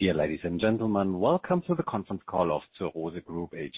Dear ladies and gentlemen, welcome to the conference call of Zur Rose Group AG.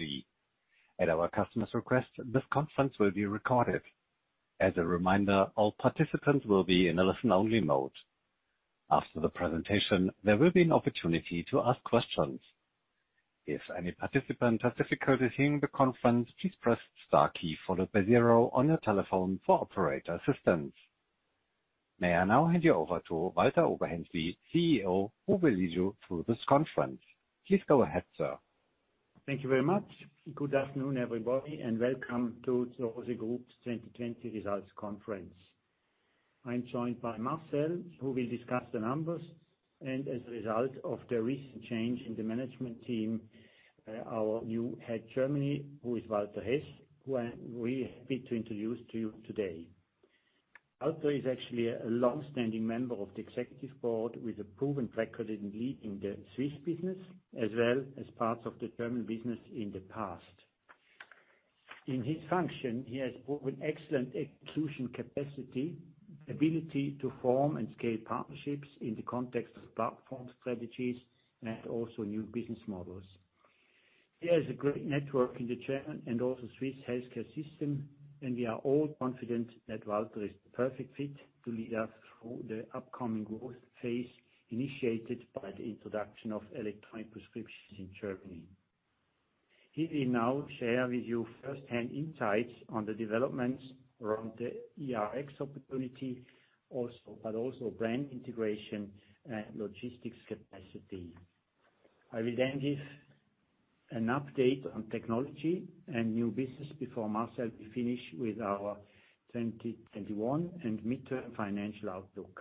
May I now hand you over to Walter Oberhänsli, CEO, who will lead you through this conference. Please go ahead, sir. Thank you very much. Good afternoon, everybody, and welcome to Zur Rose Group's 2020 results conference. I'm joined by Marcel, who will discuss the numbers, and as a result of the recent change in the management team, our new Head Germany, who is Walter Hess, who I'm really happy to introduce to you today. Walter is actually a long-standing member of the executive board with a proven record in leading the Swiss business, as well as parts of the German business in the past. In his function, he has proven excellent execution capacity, ability to form and scale partnerships in the context of platform strategies and also new business models. He has a great network in the German and also Swiss healthcare system. We are all confident that Walter is the perfect fit to lead us through the upcoming growth phase initiated by the introduction of electronic prescriptions in Germany. He will now share with you first-hand insights on the developments around the eRx opportunity, also brand integration and logistics capacity. I will then give an update on technology and new business before Marcel will finish with our 2021 and midterm financial outlook.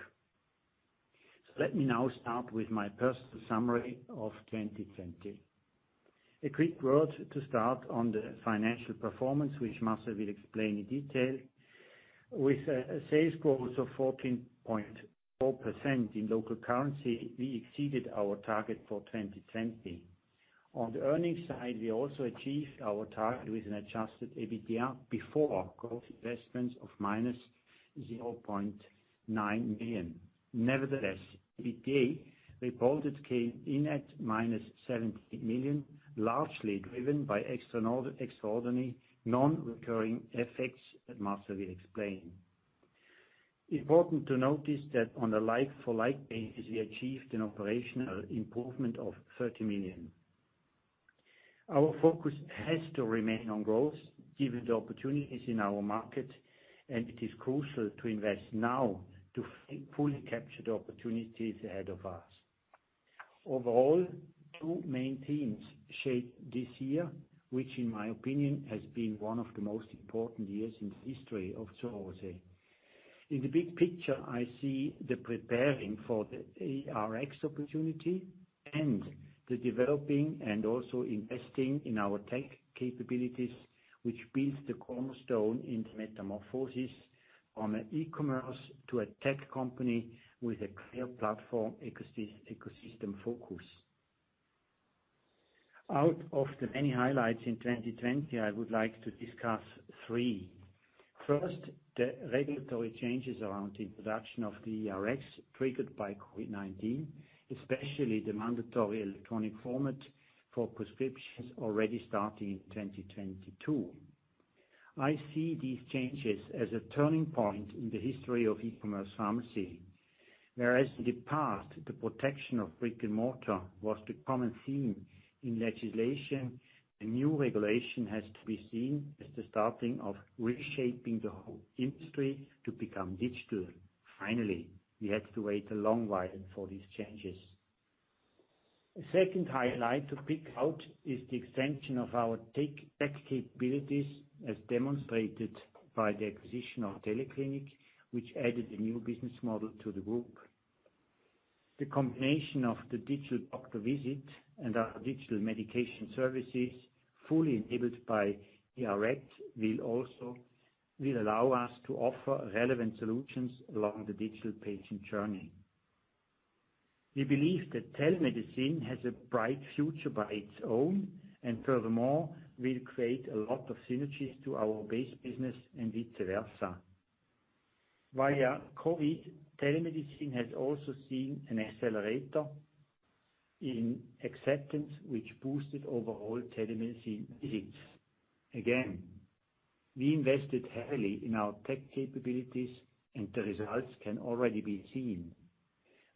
Let me now start with my personal summary of 2020. A quick word to start on the financial performance, which Marcel will explain in detail. With a sales growth of 14.4% in local currency, we exceeded our target for 2020. On the earnings side, we also achieved our target with an adjusted EBITDA before growth investments of minus 0.9 million. Nevertheless, EBITDA reported came in at minus 70 million, largely driven by extraordinary non-recurring effects that Marcel will explain. Important to notice that on a like-for-like basis, we achieved an operational improvement of 30 million. Our focus has to remain on growth given the opportunities in our market, and it is crucial to invest now to fully capture the opportunities ahead of us. Overall, two main themes shaped this year, which in my opinion has been one of the most important years in the history of Zur Rose. In the big picture, I see the preparing for the eRx opportunity and the developing and also investing in our tech capabilities, which builds the cornerstone in the metamorphosis on an e-commerce to a tech company with a clear platform ecosystem focus. Out of the many highlights in 2020, I would like to discuss three. First, the regulatory changes around the introduction of the eRx triggered by COVID-19, especially the mandatory electronic format for prescriptions already starting in 2022. I see these changes as a turning point in the history of e-commerce pharmacy. Whereas in the past, the protection of brick and mortar was the common theme in legislation, the new regulation has to be seen as the starting of reshaping the whole industry to become digital. Finally, we had to wait a long while for these changes. A second highlight to pick out is the extension of our tech capabilities as demonstrated by the acquisition of TeleClinic, which added a new business model to the group. The combination of the digital doctor visit and our digital medication services fully enabled by eRx will allow us to offer relevant solutions along the digital patient journey. We believe that telemedicine has a bright future by its own, and furthermore, will create a lot of synergies to our base business and vice versa. Via COVID, telemedicine has also seen an accelerator in acceptance, which boosted overall telemedicine visits. Again, we invested heavily in our tech capabilities and the results can already be seen.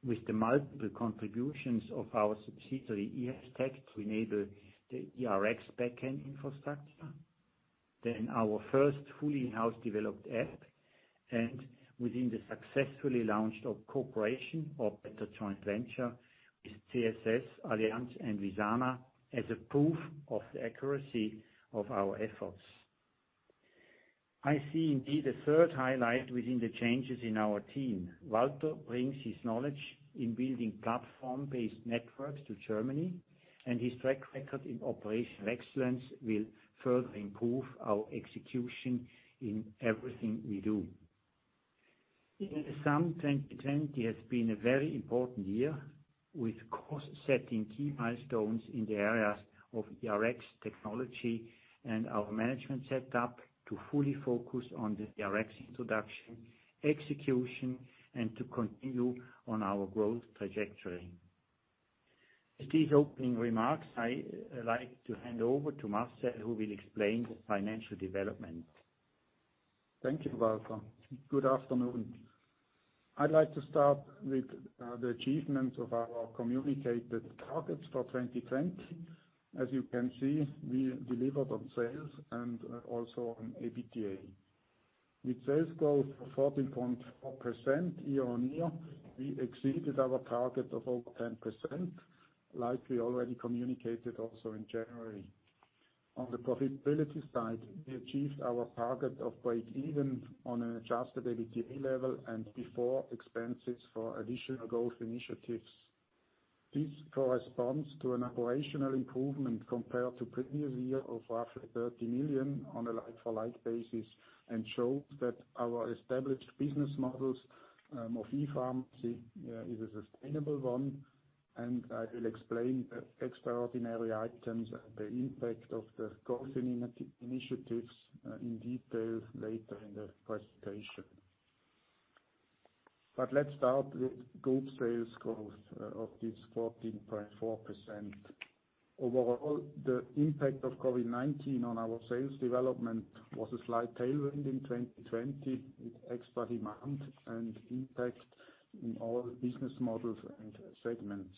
With the multiple contributions of our subsidiary, eHealth-Tec, to enable the eRx backend infrastructure, then our first fully in-house developed app, and within the successfully launched of cooperation of better joint venture with CSS and Visana as a proof of the accuracy of our efforts. I see indeed a third highlight within the changes in our team. Walter brings his knowledge in building platform-based networks to Germany, and his track record in operational excellence will further improve our execution in everything we do. In sum, 2020 has been a very important year with course-setting key milestones in the areas of Rx technology and our management set up to fully focus on the Rx introduction, execution, and to continue on our growth trajectory. With these opening remarks, I like to hand over to Marcel, who will explain the financial development. Thank you, Walter. Good afternoon. I'd like to start with the achievements of our communicated targets for 2020. As you can see, we delivered on sales and also on EBITDA. With sales growth of 14.4% year-on-year, we exceeded our target of over 10%, like we already communicated also in January. On the profitability side, we achieved our target of breakeven on an adjusted EBITDA level and before expenses for additional growth initiatives. This corresponds to an operational improvement compared to previous year of roughly 30 million on a like-for-like basis and shows that our established business models of e-pharmacy is a sustainable one. I will explain the extraordinary items and the impact of the growth initiatives in detail later in the presentation. Let's start with group sales growth of this 14.4%. Overall, the impact of COVID-19 on our sales development was a slight tailwind in 2020, with extra demand and impact in all business models and segments.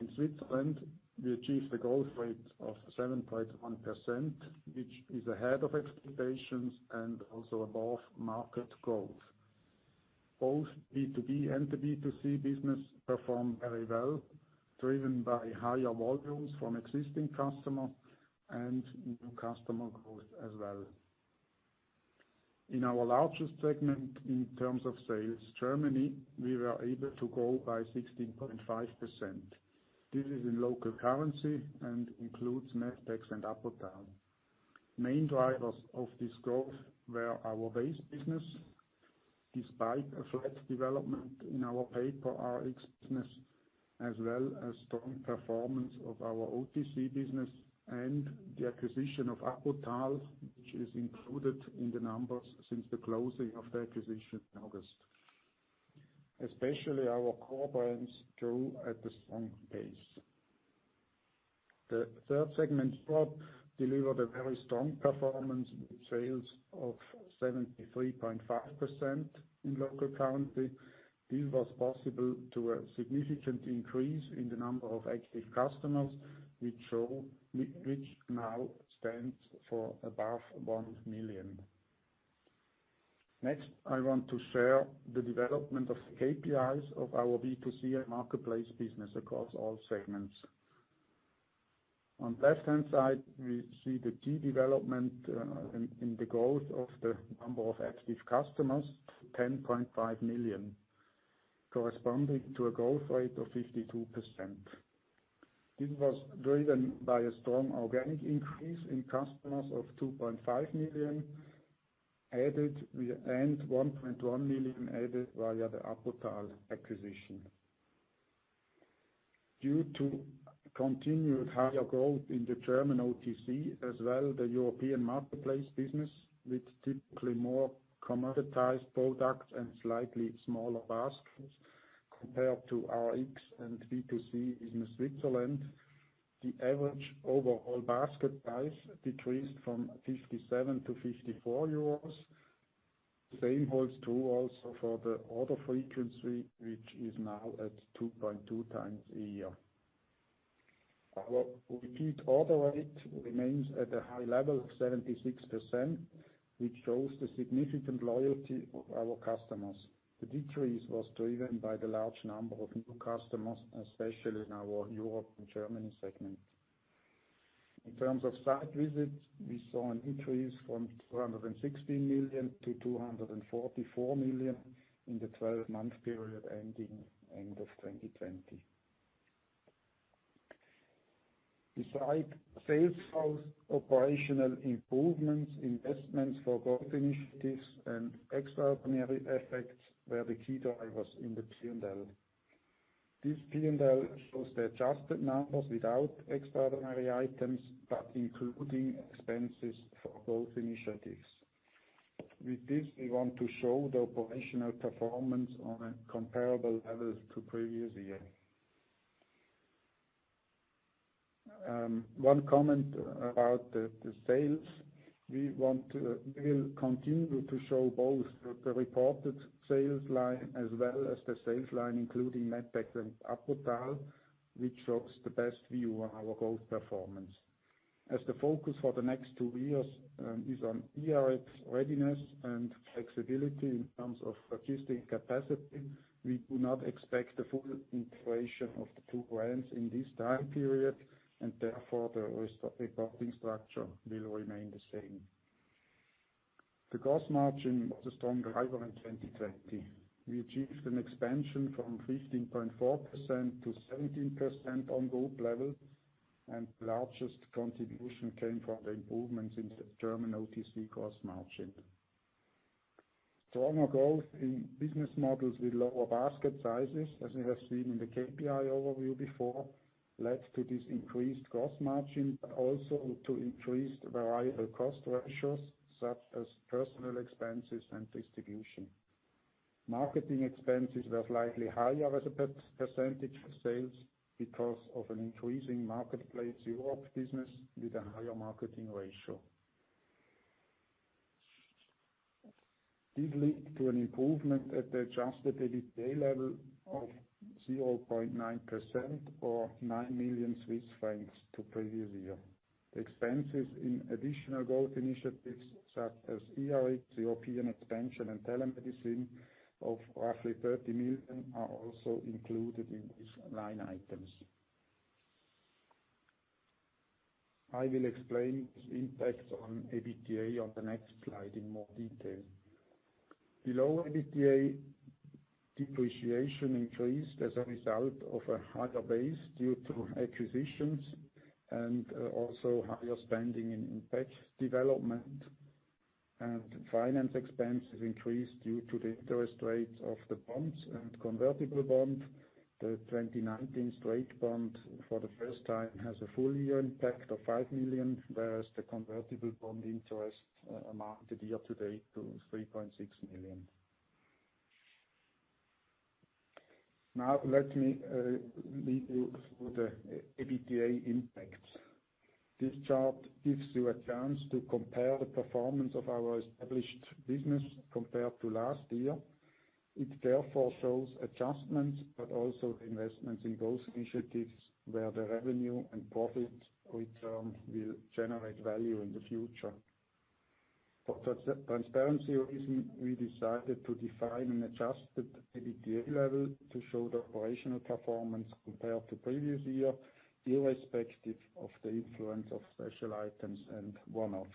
In Switzerland, we achieved a growth rate of 7.1%, which is ahead of expectations and also above market growth. Both B2B and the B2C business performed very well, driven by higher volumes from existing customers and new customer growth as well. In our largest segment in terms of sales, Germany, we were able to grow by 16.5%. This is in local currency and includes medpex and Apotal. Main drivers of this growth were our base business, despite a flat development in our paid for Rx business, as well as strong performance of our OTC business and the acquisition of Apotal, which is included in the numbers since the closing of the acquisition in August. Especially our core brands grew at a strong pace. The third segment, Shop, delivered a very strong performance with sales of 73.5% in local currency. This was possible to a significant increase in the number of active customers, which now stands for above 1 million. Next, I want to share the development of KPIs of our B2C and marketplace business across all segments. On left-hand side, we see the key development in the growth of the number of active customers, 10.5 million, corresponding to a growth rate of 52%. This was driven by a strong organic increase in customers of 2.5 million added, and 1.1 million added via the Apotal acquisition. Due to continued higher growth in the German OTC as well, the European marketplace business, with typically more commoditized products and slightly smaller baskets compared to Rx and B2C in Switzerland, the average overall basket price decreased from 57-54 euros. The same holds true also for the order frequency, which is now at 2.2X a year. Our repeat order rate remains at a high level of 76%, which shows the significant loyalty of our customers. The decrease was driven by the large number of new customers, especially in our Europe and Germany segment. In terms of site visits, we saw an increase from 216 million-244 million in the 12-month period ending end of 2020. Beside sales growth, operational improvements, investments for growth initiatives, and extraordinary effects were the key drivers in the P&L. This P&L shows the adjusted numbers without extraordinary items, but including expenses for growth initiatives. With this, we want to show the operational performance on a comparable level to previous year. One comment about the sales. We will continue to show both the reported sales line as well as the sales line, including medpex and Apotal, which shows the best view on our growth performance. As the focus for the next two years is on Rx readiness and flexibility in terms of logistic capacity, we do not expect the full integration of the two brands in this time period, and therefore, the reporting structure will remain the same. The gross margin was a strong driver in 2020. We achieved an expansion from 15.4%-17% on group level, and the largest contribution came from the improvements in the German OTC gross margin. Stronger growth in business models with lower basket sizes, as you have seen in the KPIs overview before, led to this increased gross margin, but also to increased variable cost ratios, such as personal expenses and distribution. Marketing expenses were slightly higher as a percentage of sales because of an increasing Marketplace Europe business with a higher marketing ratio. This leads to an improvement at the adjusted EBITDA level of 0.9% or 9 million Swiss francs to previous year. Expenses in additional growth initiatives such as eRx, European expansion, and telemedicine of roughly 30 million are also included in these line items. I will explain the impacts on EBITDA on the next slide in more detail. Below EBITDA, depreciation increased as a result of a higher base due to acquisitions and also higher spending in tech development, and finance expenses increased due to the interest rates of the bonds and convertible bond. The 2019 straight bond for the first time has a full-year impact of 5 million, whereas the convertible bond interest amounted year to date to 3.6 million. Let me lead you through the EBITDA impacts. This chart gives you a chance to compare the performance of our established business compared to last year. It therefore shows adjustments, but also investments in growth initiatives where the revenue and profit return will generate value in the future. For transparency reasons, we decided to define an adjusted EBITDA level to show the operational performance compared to the previous year, irrespective of the influence of special items and one-offs.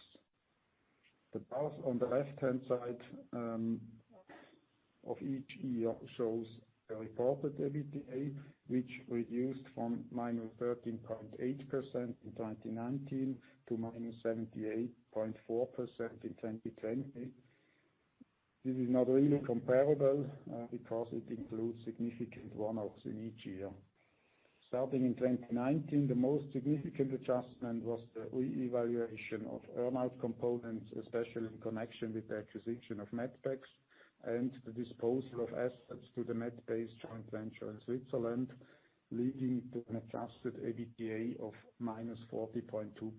The bars on the left-hand side of each year shows the reported EBITDA, which reduced from -13.8% in 2019 to -78.4% in 2020. This is not really comparable because it includes significant one-offs in each year. Starting in 2019, the most significant adjustment was the reevaluation of earn-out components, especially in connection with the acquisition of medpex and the disposal of assets to the Medbase joint venture in Switzerland, leading to an adjusted EBITDA of -40.2%.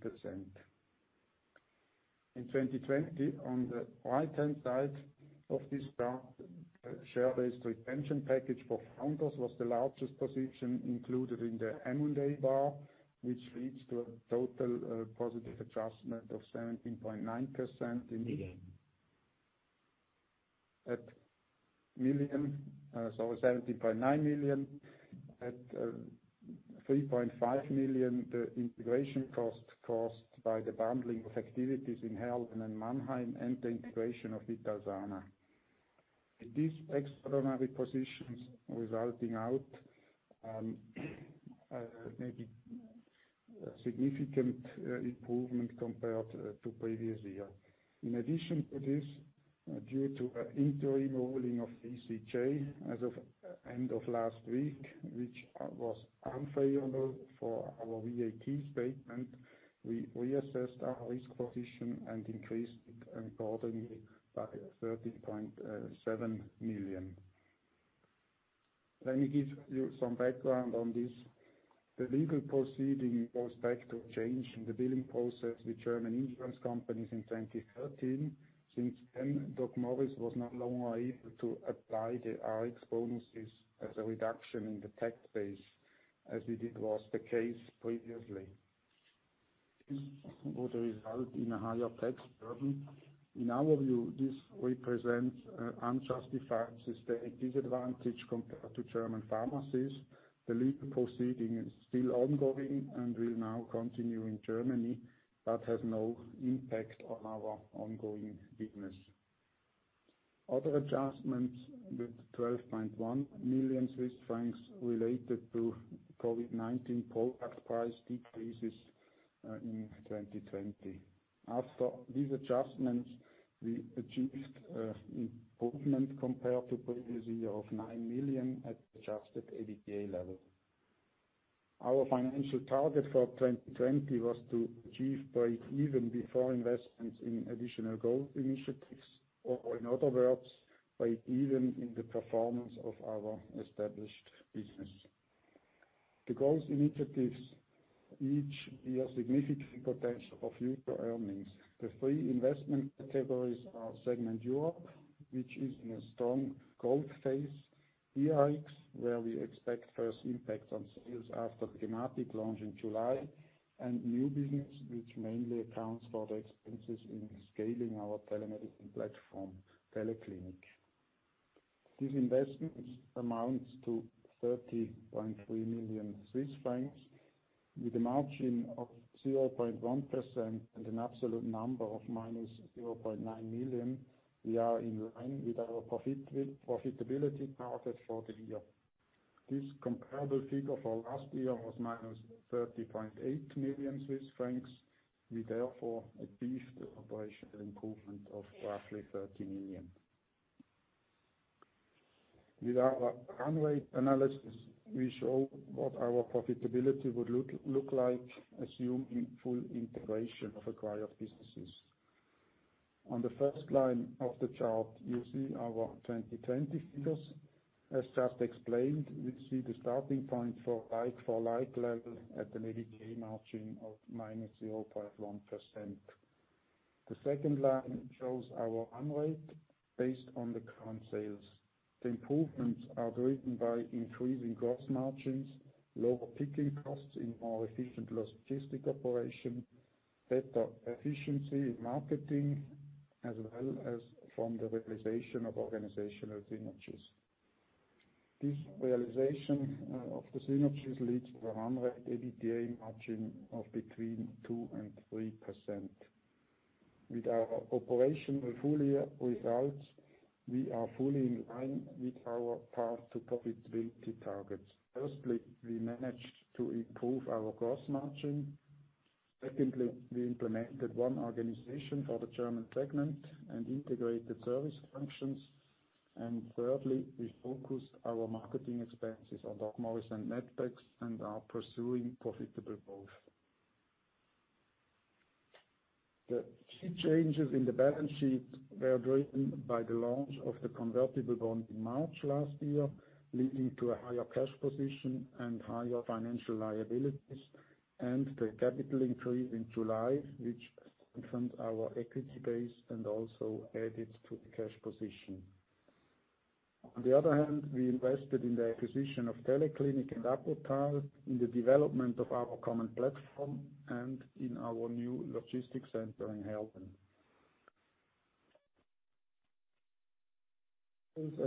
In 2020, on the right-hand side of this chart, share-based retention package for founders was the largest position included in the M&A bar, which leads to a total positive adjustment of 17.9 million. 17.9 million. At 3.5 million, the integration cost caused by the bundling of activities in Heerlen and Mannheim and the integration of Italfarma. These extraordinary positions resulting out, maybe a significant improvement compared to previous year. In addition to this, due to an interim ruling of ECJ as of end of last week, which was unfavorable for our VAT statement, we reassessed our risk position and increased it accordingly by 13.7 million. Let me give you some background on this. The legal proceeding goes back to a change in the billing process with German insurance companies in 2013. Since then, DocMorris was no longer able to apply the Rx bonuses as a reduction in the tax base as it was the case previously. This would result in a higher tax burden. In our view, this represents an unjustified systemic disadvantage compared to German pharmacies. The legal proceeding is still ongoing and will now continue in Germany, but has no impact on our ongoing business. Other adjustments with 12.1 million Swiss francs related to COVID-19 product price decreases in 2020. After these adjustments, we achieved improvement compared to previous year of 9 million at adjusted EBITDA level. Our financial target for 2020 was to achieve break even before investments in additional growth initiatives, or in other words, break even in the performance of our established business. The growth initiatives each have significant potential of future earnings. The three investment categories are segment Europe, which is in a strong growth phase, eRx, where we expect first impact on sales after gematik launch in July, and new business, which mainly accounts for the expenses in scaling our telemedicine platform, TeleClinic. These investments amount to 30.3 million Swiss francs. With a margin of 0.1% and an absolute number of -0.9 million, we are in line with our profitability target for the year. This comparable figure for last year was -30.8 million Swiss francs. We therefore achieved the operational improvement of roughly 30 million. With our run rate analysis, we show what our profitability would look like, assuming full integration of acquired businesses. On the first line of the chart, you see our 2020 figures. As just explained, we see the starting point for like-for-like level at an EBITDA margin of -0.1%. The second line shows our run rate based on the current sales. The improvements are driven by increasing gross margins, lower picking costs in more efficient logistic operation, better efficiency in marketing, as well as from the realization of organizational synergies. This realization of the synergies leads to a run rate EBITDA margin of between 2% and 3%. With our operational full year results, we are fully in line with our path to profitability targets. Firstly, we managed to improve our gross margin. Secondly, we implemented one organization for the German segment and integrated service functions. Thirdly, we focused our marketing expenses on DocMorris and medpex and are pursuing profitable growth. The key changes in the balance sheet were driven by the launch of the convertible bond in March last year, leading to a higher cash position and higher financial liabilities, and the capital increase in July, which strengthened our equity base and also added to the cash position. On the other hand, we invested in the acquisition of TeleClinic and Apotal, in the development of our common platform, and in our new logistics center in Heerlen.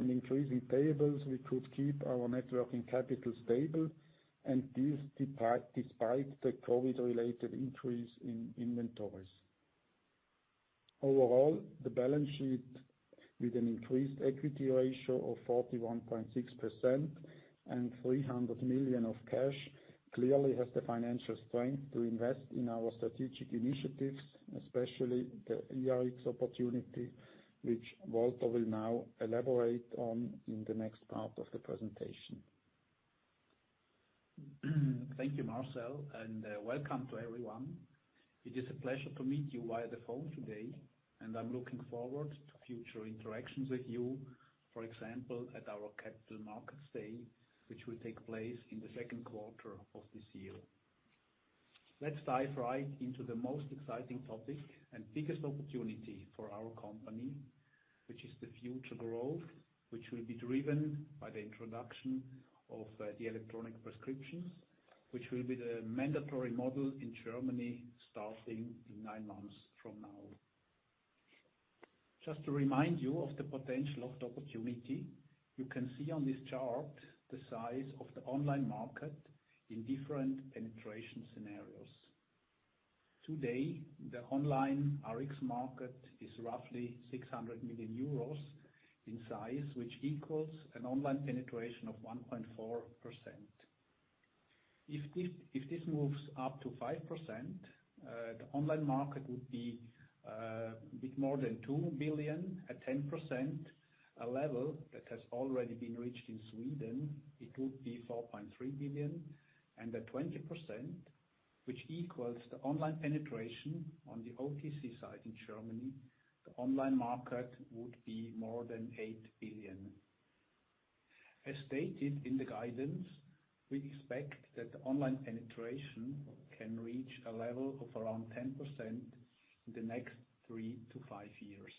Increasing payables, we could keep our net working capital stable, and this despite the COVID-related increase in inventories. Overall, the balance sheet with an increased equity ratio of 41.6% and 300 million of cash, clearly has the financial strength to invest in our strategic initiatives, especially the eRx opportunity, which Walter will now elaborate on in the next part of the presentation. Thank you, Marcel, and welcome to everyone. It is a pleasure to meet you via the phone today, and I am looking forward to future interactions with you, for example, at our Capital Markets Day, which will take place in the second quarter of this year. Let's dive right into the most exciting topic and biggest opportunity for our company, which is the future growth, which will be driven by the introduction of the electronic prescriptions, which will be the mandatory model in Germany, starting in nine months from now. Just to remind you of the potential of the opportunity, you can see on this chart the size of the online market in different penetration scenarios. Today, the online Rx market is roughly 600 million euros in size, which equals an online penetration of 1.4%. If this moves up to 5%, the online market would be a bit more than 2 billion. At 10%, a level that has already been reached in Sweden, it would be 4.3 billion, and at 20%, which equals the online penetration on the OTC side in Germany, the online market would be more than 8 billion. As stated in the guidance, we expect that the online penetration can reach a level of around 10% in the next three to five years.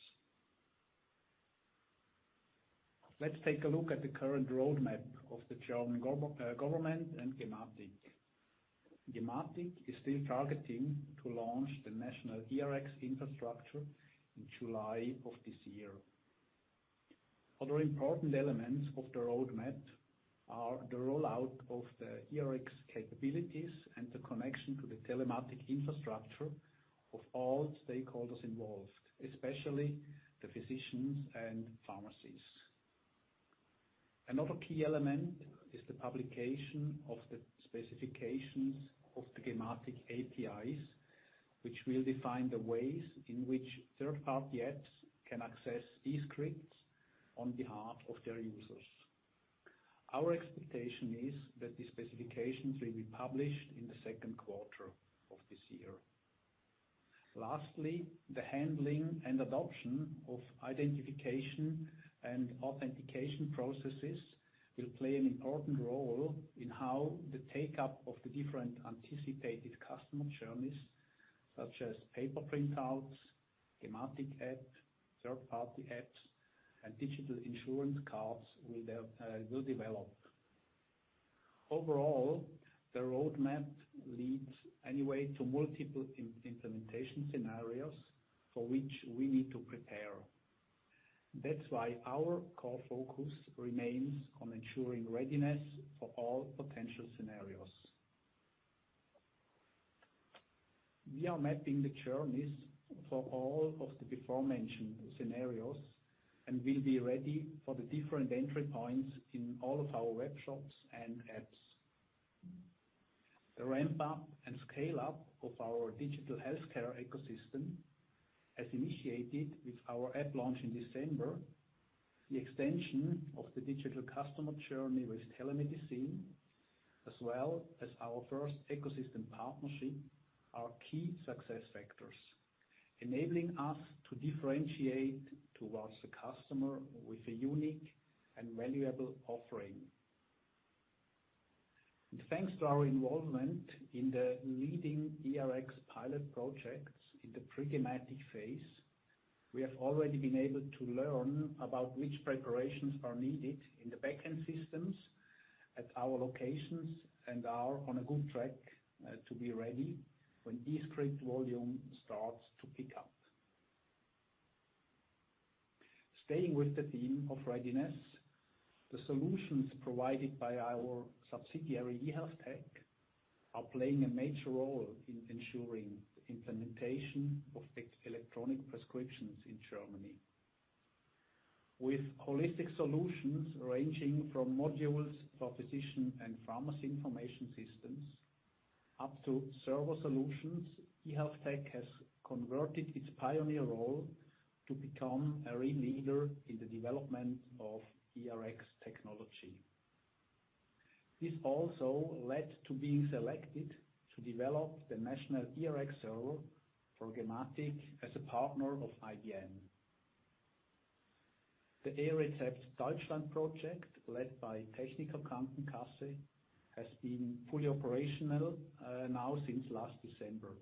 Let's take a look at the current roadmap of the German government and gematik. gematik is still targeting to launch the national eRX infrastructure in July of this year. Other important elements of the roadmap are the rollout of the eRX capabilities and the connection to the telematics infrastructure of all stakeholders involved, especially the physicians and pharmacies. Another key element is the publication of the specifications of the gematik APIs, which will define the ways in which third-party apps can access e-scripts on behalf of their users. Our expectation is that the specifications will be published in the second quarter of this year. Lastly, the handling and adoption of identification and authentication processes will play an important role in how the take-up of the different anticipated customer journeys, such as paper printouts, gematik apps, third-party apps, and digital insurance cards will develop. Overall, the roadmap leads anyway to multiple implementation scenarios for which we need to prepare. That's why our core focus remains on ensuring readiness for all potential scenarios. We are mapping the journeys for all of the beforementioned scenarios and will be ready for the different entry points in all of our web shops and apps. The ramp up and scale up of our digital healthcare ecosystem has initiated with our app launch in December, the extension of the digital customer journey with telemedicine, as well as our first ecosystem partnership, are key success factors enabling us to differentiate towards the customer with a unique and valuable offering. Thanks to our involvement in the leading eRX pilot projects in the pre-gematik phase, we have already been able to learn about which preparations are needed in the back-end systems at our locations and are on a good track to be ready when e-script volume starts to pick up. Staying with the theme of readiness, the solutions provided by our subsidiary, eHealth-Tec, are playing a major role in ensuring the implementation of electronic prescriptions in Germany. With holistic solutions ranging from modules for physician and pharmacy information systems up to server solutions, eHealth-Tec has converted its pioneer role to become a real leader in the development of eRX technology. This also led to being selected to develop the national eRX role for gematik as a partner of IBM. The E-Rezept Deutschland project, led by Techniker Krankenkasse, has been fully operational now since last December,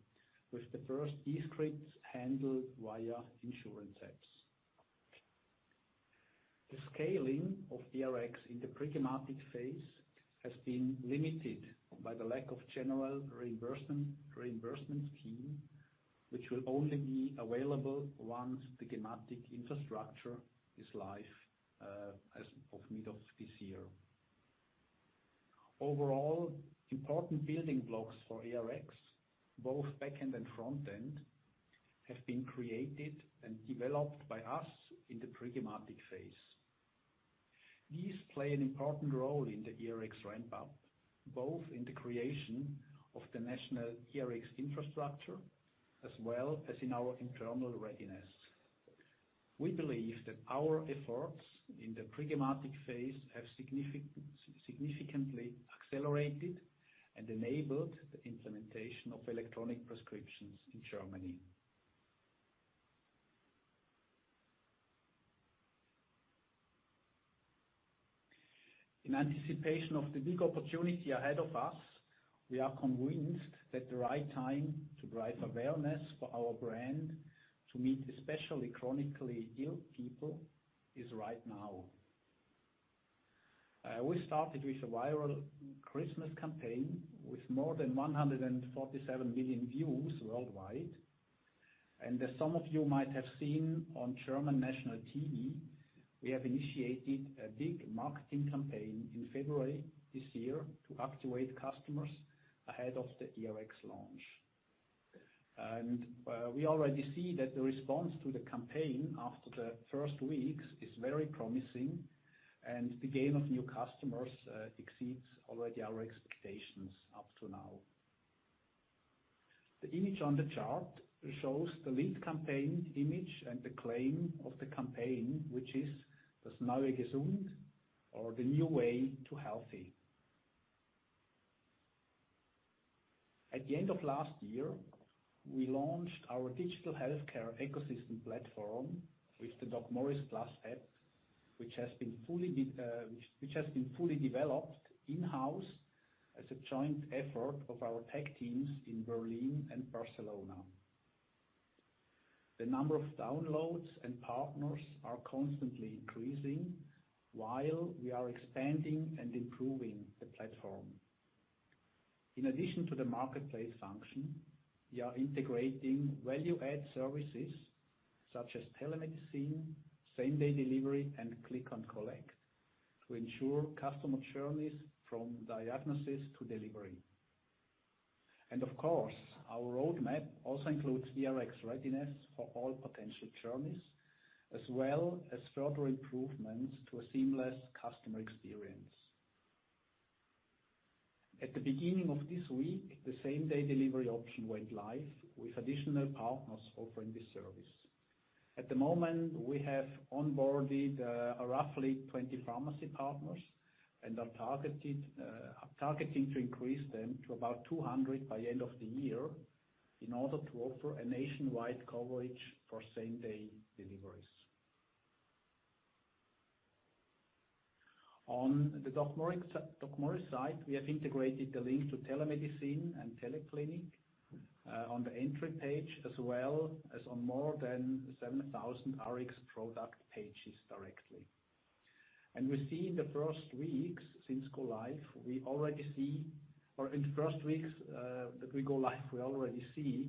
with the first e-scripts handled via insurance apps. The scaling of eRX in the pre-gematik phase has been limited by the lack of general reimbursement scheme, which will only be available once the gematik infrastructure is live as of middle of this year. Overall, important building blocks for eRX, both back-end and front-end, have been created and developed by us in the pre-gematik phase. These play an important role in the eRX ramp-up, both in the creation of the national gematik infrastructure as well as in our internal readiness. We believe that our efforts in the pre-gematik phase have significantly accelerated and enabled the implementation of electronic prescriptions in Germany. In anticipation of the big opportunity ahead of us, we are convinced that the right time to drive awareness for our brand to meet, especially chronically ill people, is right now. We started with a viral Christmas campaign with more than 147 million views worldwide. As some of you might have seen on German national TV, we have initiated a big marketing campaign in February this year to activate customers ahead of the eRX launch. We already see that the response to the campaign after the first weeks is very promising, and the gain of new customers exceeds already our expectations up to now. The image on the chart shows the lead campaign image and the claim of the campaign, which is "Das neue gesund" or the new way to healthy. At the end of last year, we launched our digital healthcare ecosystem platform with the DocMorris Plus app, which has been fully developed in-house as a joint effort of our tech teams in Berlin and Barcelona. The number of downloads and partners are constantly increasing while we are expanding and improving the platform. In addition to the marketplace function, we are integrating value-add services such as telemedicine, same-day delivery, and click and collect to ensure customer journeys from diagnosis to delivery. Of course, our roadmap also includes eRX readiness for all potential journeys, as well as further improvements to a seamless customer experience. At the beginning of this week, the same-day delivery option went live with additional partners offering this service. At the moment, we have onboarded roughly 20 pharmacy partners and are targeting to increase them to about 200 by end of the year in order to offer a nationwide coverage for same-day deliveries. On the DocMorris side, we have integrated the link to telemedicine and TeleClinic on the entry page, as well as on more than 7,000 Rx product pages directly. In the first weeks that we go live, we already see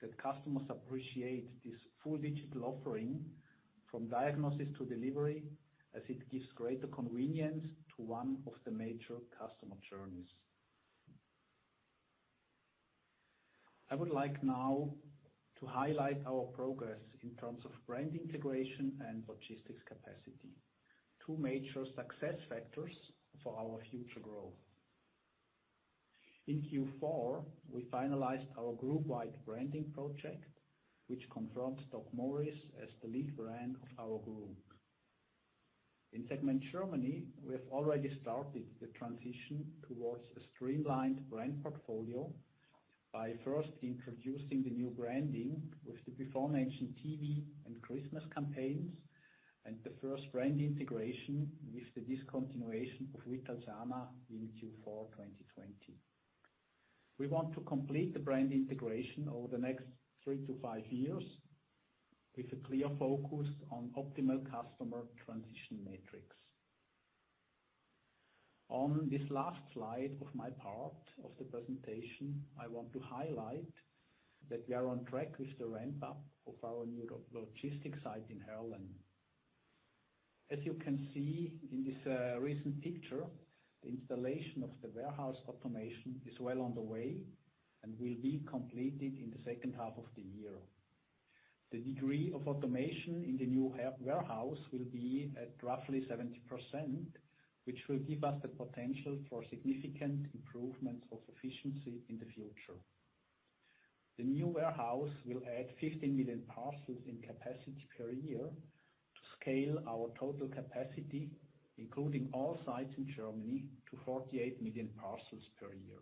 that customers appreciate this full digital offering, from diagnosis to delivery, as it gives greater convenience to one of the major customer journeys. I would like now to highlight our progress in terms of brand integration and logistics capacity, two major success factors for our future growth. In Q4, we finalized our group-wide branding project, which confirmed DocMorris as the lead brand of our group. In segment Germany, we have already started the transition towards a streamlined brand portfolio by first introducing the new branding with the before-mentioned TV and Christmas campaigns, and the first brand integration with the discontinuation of Vitalsana in Q4 2020. We want to complete the brand integration over the next three-five years with a clear focus on optimal customer transition metrics. On this last slide of my part of the presentation, I want to highlight that we are on track with the ramp-up of our new logistics site in Heerlen. As you can see in this recent picture, the installation of the warehouse automation is well on the way and will be completed in the second half of the year. The degree of automation in the new warehouse will be at roughly 70%, which will give us the potential for significant improvements of efficiency in the future. The new warehouse will add 15 million parcels in capacity per year to scale our total capacity, including all sites in Germany, to 48 million parcels per year.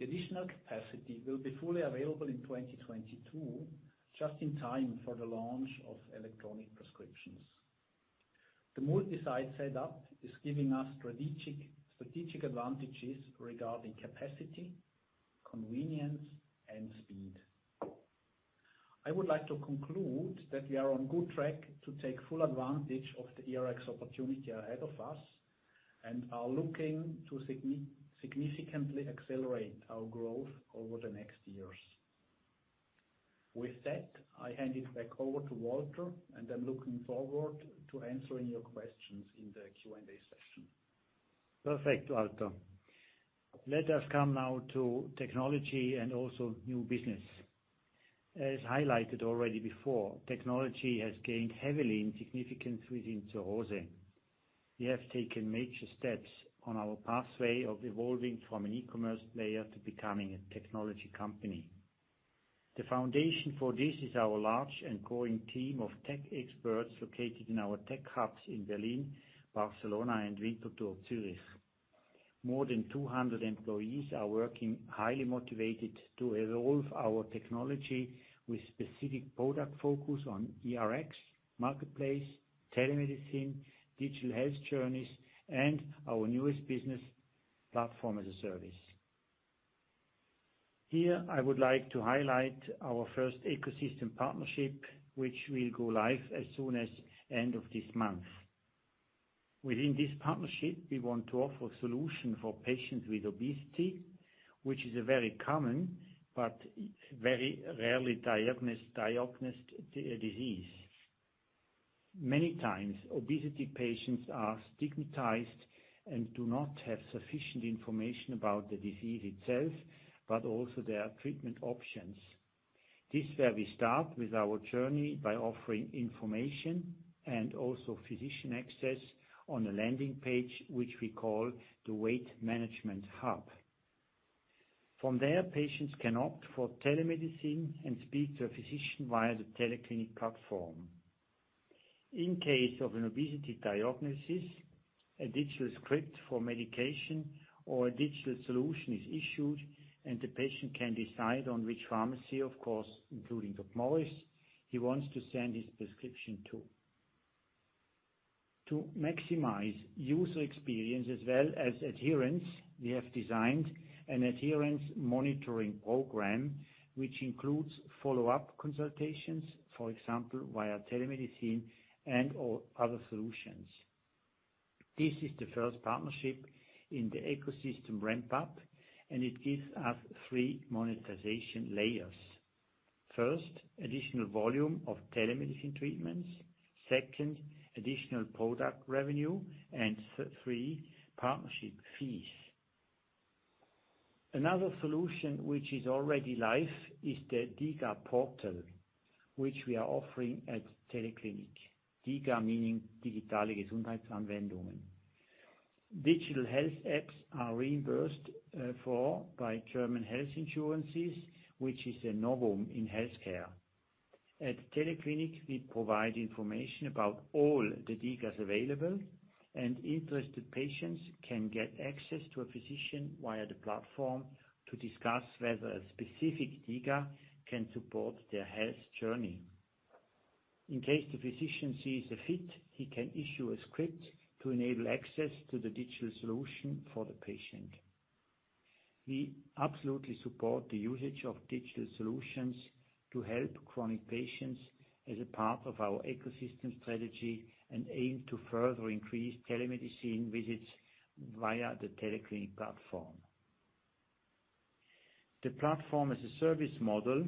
The additional capacity will be fully available in 2022, just in time for the launch of electronic prescriptions. The multi-site setup is giving us strategic advantages regarding capacity, convenience, and speed. I would like to conclude that we are on good track to take full advantage of the eRX opportunity ahead of us and are looking to significantly accelerate our growth over the next years. With that, I hand it back over to Walter, and I'm looking forward to answering your questions in the Q&A session. Perfect, Walter. Let us come now to technology and also new business. As highlighted already before, technology has gained heavily in significance within Zur Rose. We have taken major steps on our pathway of evolving from an e-commerce player to becoming a technology company. The foundation for this is our large and growing team of tech experts located in our tech hubs in Berlin, Barcelona, and Winterthur, Zurich. More than 200 employees are working, highly motivated, to evolve our technology with specific product focus on eRX, marketplace, telemedicine, digital health journeys, and our newest business platform-as-a-service. Here, I would like to highlight our first ecosystem partnership, which will go live as soon as end of this month. Within this partnership, we want to offer a solution for patients with obesity, which is a very common but very rarely diagnosed disease. Many times, obesity patients are stigmatized and do not have sufficient information about the disease itself, but also their treatment options. This is where we start with our journey by offering information and also physician access on a landing page, which we call the Weight Management Hub. From there, patients can opt for telemedicine and speak to a physician via the TeleClinic platform. In case of an obesity diagnosis, a digital script for medication or a digital solution is issued, and the patient can decide on which pharmacy, of course, including DocMorris, he wants to send his prescription to. To maximize user experience as well as adherence, we have designed an adherence monitoring program, which includes follow-up consultations, for example, via telemedicine and/or other solutions. This is the first partnership in the ecosystem ramp-up, and it gives us three monetization layers. First, additional volume of telemedicine treatments. Second, additional product revenue, and three, partnership fees. Another solution, which is already live, is the DiGA portal, which we are offering at TeleClinic. Digital Health Applications are reimbursed for by German health insurances, which is a novum in healthcare. At TeleClinic, we provide information about all the DiGAs available, interested patients can get access to a physician via the platform to discuss whether a specific DiGA can support their health journey. In case the physician sees a fit, he can issue a script to enable access to the digital solution for the patient. We absolutely support the usage of digital solutions to help chronic patients as a part of our ecosystem strategy and aim to further increase telemedicine visits via the TeleClinic platform. The platform-as-a-service model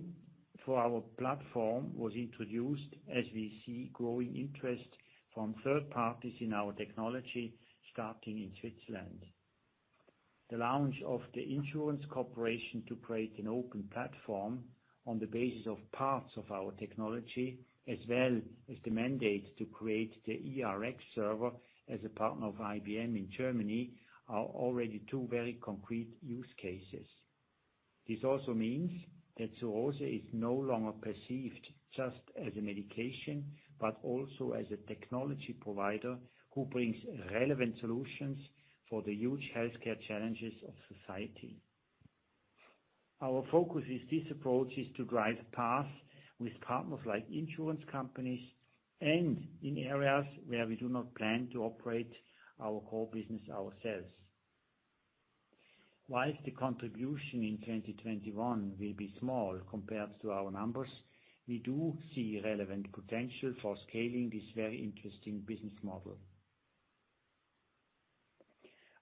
for our platform was introduced as we see growing interest from third parties in our technology, starting in Switzerland. The launch of the insurance corporation to create an open platform on the basis of parts of our technology, as well as the mandate to create the eRX server as a partner of IBM in Germany, are already two very concrete use cases. This also means that Zur Rose is no longer perceived just as a medication, but also as a technology provider who brings relevant solutions for the huge healthcare challenges of society. Our focus with this approach is to drive paths with partners like insurance companies and in areas where we do not plan to operate our core business ourselves. While the contribution in 2021 will be small compared to our numbers, we do see relevant potential for scaling this very interesting business model.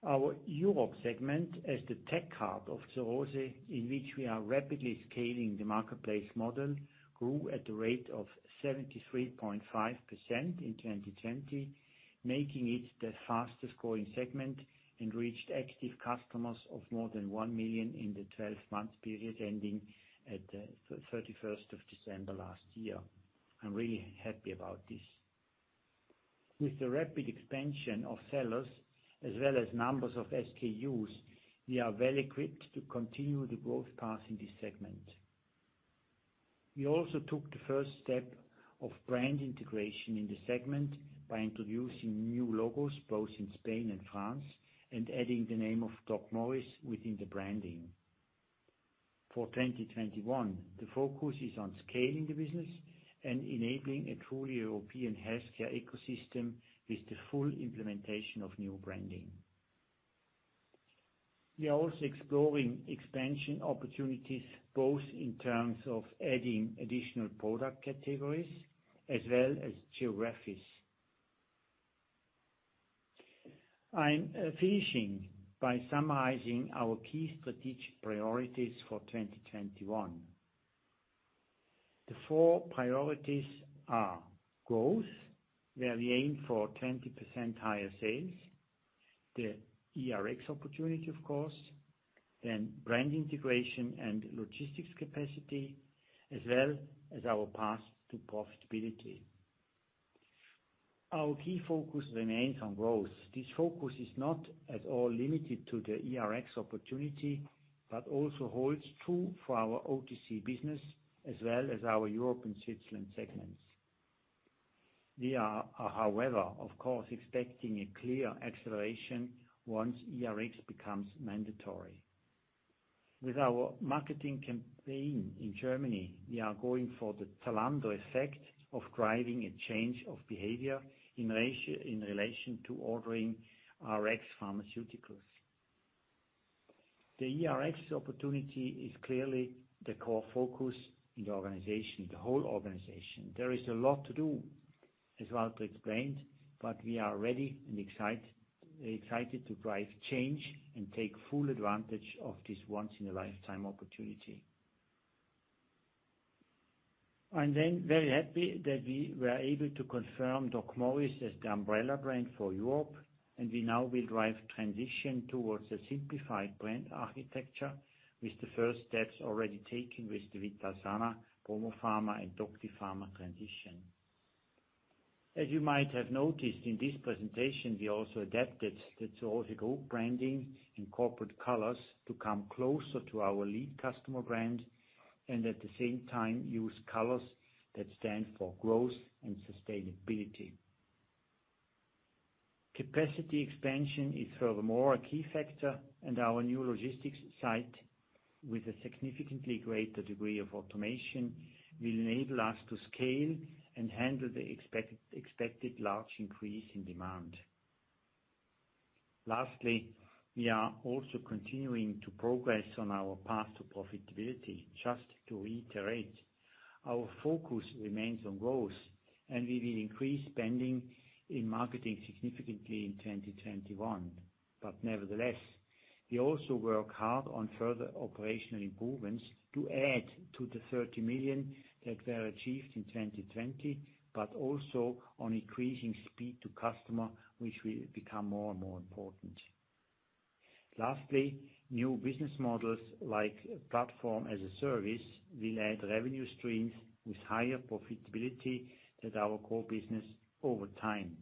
Our Europe segment as the tech hub of Zur Rose, in which we are rapidly scaling the marketplace model, grew at the rate of 73.5% in 2020, making it the fastest-growing segment, and reached active customers of more than 1 million in the 12-month period ending at the 31st of December last year. I'm really happy about this. With the rapid expansion of sellers as well as numbers of SKUs, we are well equipped to continue the growth path in this segment. We also took the first step of brand integration in the segment by introducing new logos both in Spain and France and adding the name of DocMorris within the branding. For 2021, the focus is on scaling the business and enabling a truly European healthcare ecosystem with the full implementation of new branding. We are also exploring expansion opportunities, both in terms of adding additional product categories as well as geographics. I'm finishing by summarizing our key strategic priorities for 2021. The four priorities are growth, where we aim for 20% higher sales, the eRX opportunity, of course, then brand integration and logistics capacity, as well as our path to profitability. Our key focus remains on growth. This focus is not at all limited to the eRX opportunity, but also holds true for our OTC business as well as our Europe and Switzerland segments. We are, however, of course, expecting a clear acceleration once eRX becomes mandatory. With our marketing campaign in Germany, we are going for the Zalando effect of driving a change of behavior in relation to ordering Rx pharmaceuticals. The eRX opportunity is clearly the core focus in the whole organization. There is a lot to do, as Walter explained, but we are ready and excited to drive change and take full advantage of this once in a lifetime opportunity. I'm very happy that we were able to confirm DocMorris as the umbrella brand for Europe, and we now will drive transition towards a simplified brand architecture with the first steps already taken with the Vitalsana, PromoFarma, and Doctipharma transition. As you might have noticed in this presentation, we also adapted the Zur Rose Group branding and corporate colors to come closer to our lead customer brand and at the same time use colors that stand for growth and sustainability. Capacity expansion is furthermore a key factor and our new logistics site with a significantly greater degree of automation will enable us to scale and handle the expected large increase in demand. Lastly, we are also continuing to progress on our path to profitability. Just to reiterate, our focus remains on growth and we will increase spending in marketing significantly in 2021. Nevertheless, we also work hard on further operational improvements to add to the 30 million that were achieved in 2020, but also on increasing speed to customer, which will become more and more important. Lastly, new business models like platform-as-a-service will add revenue streams with higher profitability than our core business over time.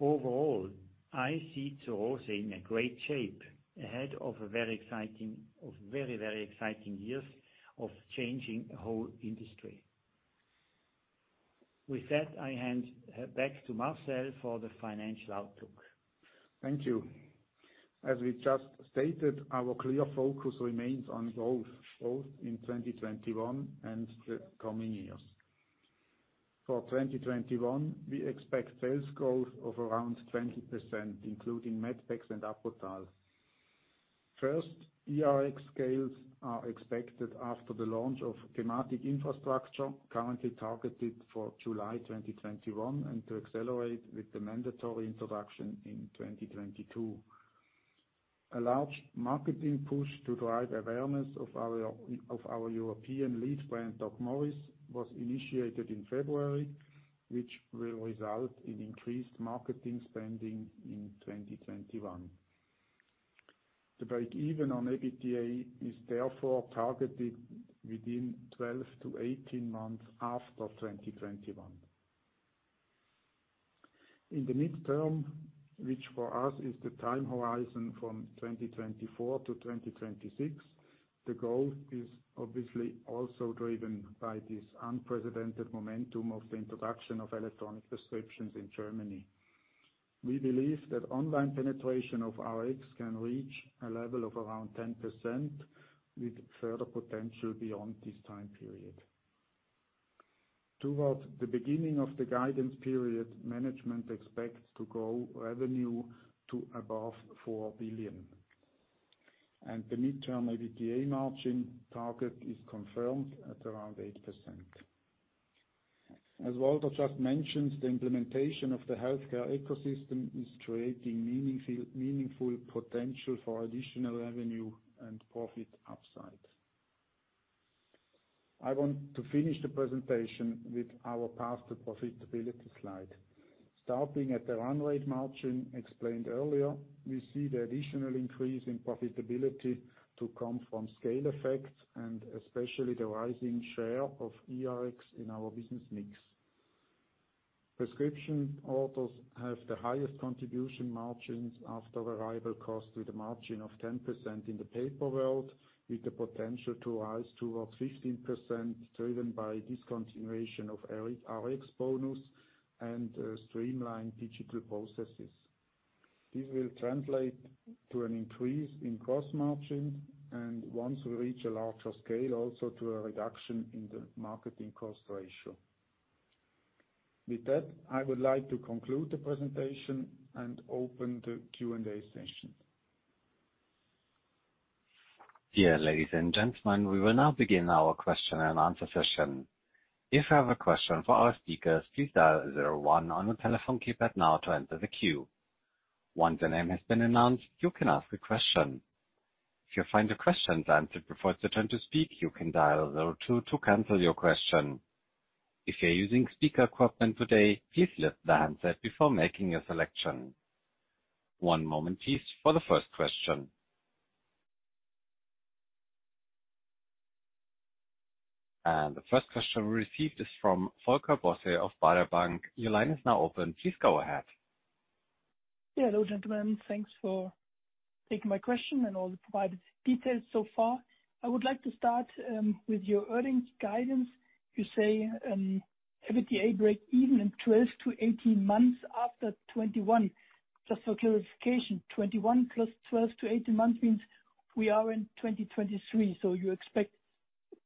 Overall, I see Zur Rose in a great shape ahead of very exciting years of changing a whole industry. With that, I hand back to Marcel for the financial outlook. Thank you. As we just stated, our clear focus remains on growth both in 2021 and the coming years. For 2021, we expect sales growth of around 20%, including medpex and Apotal. First eRX scales are expected after the launch of telematics infrastructure, currently targeted for July 2021, and to accelerate with the mandatory introduction in 2022. A large marketing push to drive awareness of our European lead brand, DocMorris, was initiated in February, which will result in increased marketing spending in 2021. The break-even on EBITDA is therefore targeted within 12-18 months after 2021. In the midterm, which for us is the time horizon from 2024-2026, the goal is obviously also driven by this unprecedented momentum of the introduction of electronic prescriptions in Germany. We believe that online penetration of Rx can reach a level of around 10%, with further potential beyond this time period. Towards the beginning of the guidance period, management expects to grow revenue to above 4 billion, and the midterm EBITDA margin target is confirmed at around 8%. As Walter just mentioned, the implementation of the healthcare ecosystem is creating meaningful potential for additional revenue and profit upside. I want to finish the presentation with our path to profitability slide. Starting at the run rate margin explained earlier, we see the additional increase in profitability to come from scale effects and especially the rising share of eRX in our business mix. Prescription orders have the highest contribution margins after arrival cost, with a margin of 10% in the paper world, with the potential to rise towards 15%, driven by discontinuation of Rx bonus and streamlined digital processes. This will translate to an increase in gross margin, and once we reach a larger scale, also to a reduction in the marketing cost ratio. With that, I would like to conclude the presentation and open the Q&A session. Dear ladies and gentlemen, we will now begin our question and answer session. The first question we received is from Volker Bosse of Baader Bank. Your line is now open. Please go ahead. Hello, gentlemen. Thanks for taking my question and all the provided details so far. I would like to start with your earnings guidance. You say, EBITDA break-even in 12 to 18 months after 2021. Just for clarification, 2021 plus 12 to 18 months means we are in 2023. You expect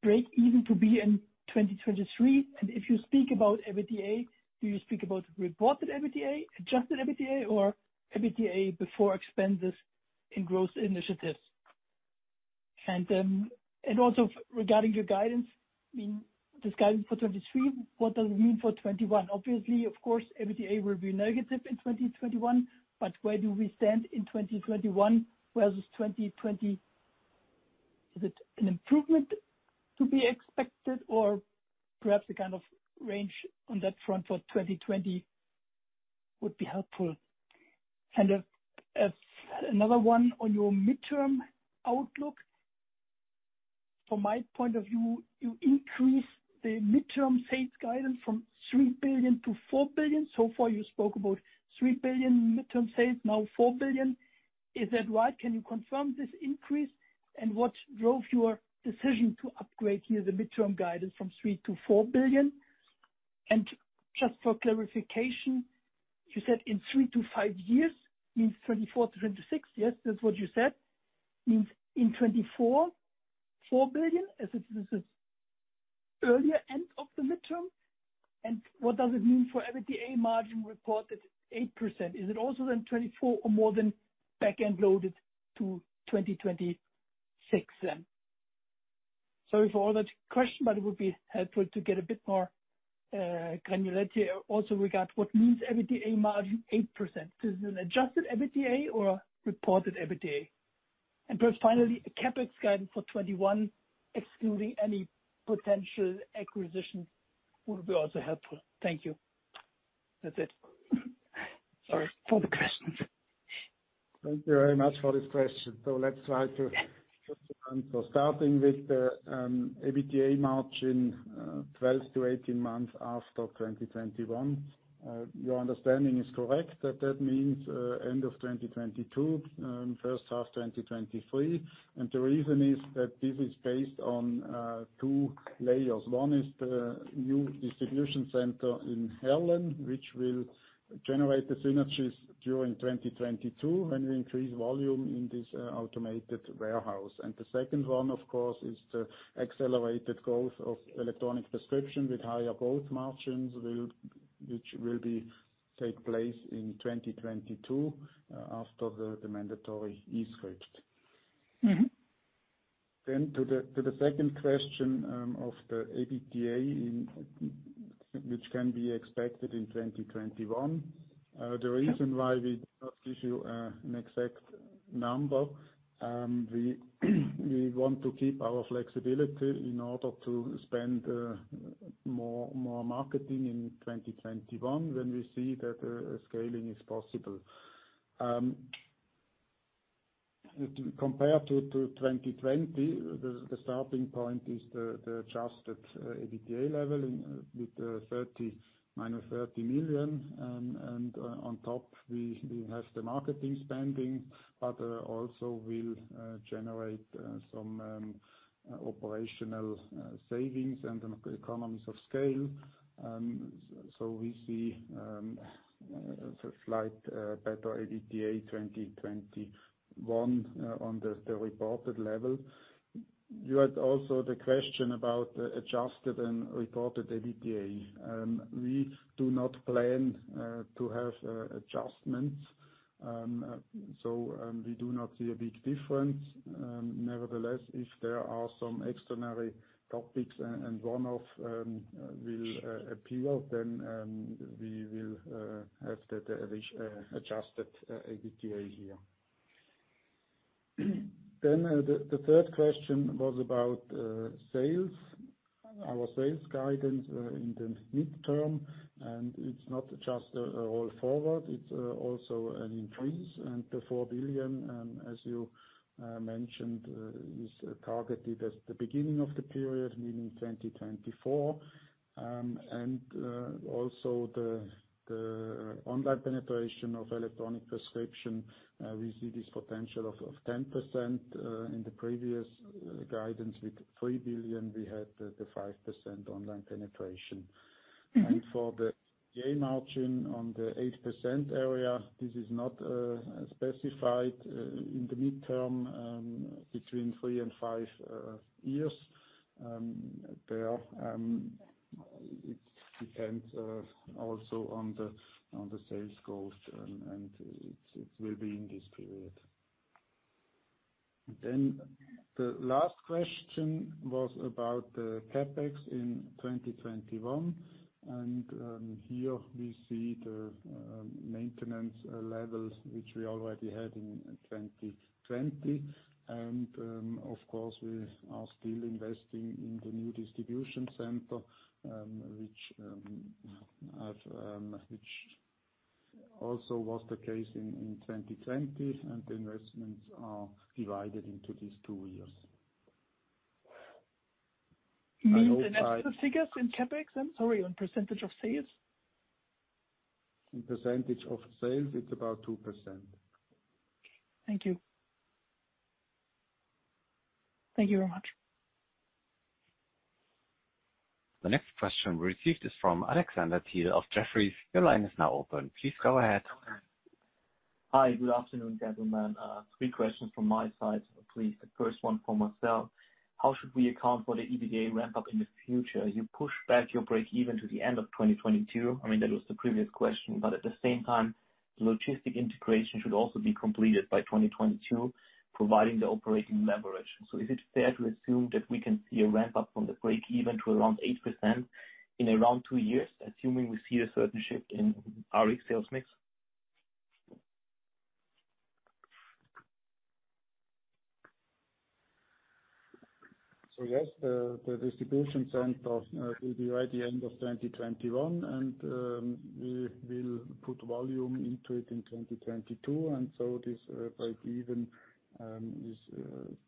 break-even to be in 2023? If you speak about EBITDA, do you speak about reported EBITDA, adjusted EBITDA, or EBITDA before expenses in growth initiatives? Also regarding your guidance, this guidance for 2023, what does it mean for 2021? Obviously, of course, EBITDA will be negative in 2021, where do we stand in 2021, versus 2020? Is it an improvement to be expected or perhaps a kind of range on that front for 2020 would be helpful. Another one on your midterm outlook. From my point of view, you increased the midterm sales guidance from 3 billion- 4 billion. So far, you spoke about 3 billion midterm sales, now 4 billion. Is that right? Can you confirm this increase? What drove your decision to upgrade the midterm guidance from 3 billion to 4 billion? Just for clarification, you said in three to five years, means 2024 to 2026. Yes? That's what you said. Means in 2024, 4 billion as this is earlier end of the midterm? What does it mean for EBITDA margin reported 8%? Is it also then 2024 or more back-end loaded to 2026 then? Sorry for all the questions, it would be helpful to get a bit more granularity also regard what means EBITDA margin 8%. This is an adjusted EBITDA or reported EBITDA? Perhaps finally, a CapEx guidance for 2021 excluding any potential acquisitions would be also helpful. Thank you. That's it. Sorry for all the questions. Thank you very much for this question. Let's try to answer. Starting with the EBITDA margin, 12 to 18 months after 2021. Your understanding is correct. That means end of 2022, first half 2023. The reason is that this is based on two layers. One is the new distribution center in Heerlen, which will generate the synergies during 2022 when we increase volume in this automated warehouse. The second one, of course, is the accelerated growth of electronic prescription with higher growth margins, which will take place in 2022, after the mandatory e-script. To the second question of the EBITDA, which can be expected in 2021. The reason why we do not give you an exact number, we want to keep our flexibility in order to spend more marketing in 2021 when we see that scaling is possible. Compared to 2020, the starting point is the adjusted EBITDA level with minus 30 million. On top we have the marketing spending, but also will generate some operational savings and economies of scale. We see a slight better EBITDA 2021, on the reported level. You had also the question about adjusted and reported EBITDA. We do not plan to have adjustments, we do not see a big difference. Nevertheless, if there are some extraordinary topics and one-off will appear, then we will have that adjusted EBITDA here. The third question was about sales, our sales guidance in the midterm, and it's not just a roll forward, it's also an increase. The 4 billion, as you mentioned, is targeted at the beginning of the period, meaning 2024. Also the online penetration of electronic prescription, we see this potential of 10%. In the previous guidance with 3 billion, we had the 5% online penetration. For the gross margin on the 8% area, this is not specified in the midterm between three and five years. It depends also on the sales goals, and it will be in this period. The last question was about the CapEx in 2021. Here we see the maintenance levels, which we already had in 2020. Of course, we are still investing in the new distribution center, which also was the case in 2020. The investments are divided into these two years. You mean the net figures in CapEx? I'm sorry, on percentage of sales. In percentage of sales, it's about 2%. Okay. Thank you. Thank you very much. The next question we received is from Alexander Thiel of Jefferies. Your line is now open. Please go ahead. Hi. Good afternoon, gentlemen. Three questions from my side, please. The first one for Marcel. How should we account for the EBITDA ramp-up in the future? You pushed back your break even to the end of 2022. I mean, that was the previous question. At the same time, logistic integration should also be completed by 2022, providing the operating leverage. Is it fair to assume that we can see a ramp-up from the break even to around 8% in around two years, assuming we see a certain shift in Rx sales mix? Yes, the distribution center will be ready end of 2021, and we will put volume into it in 2022. This break even is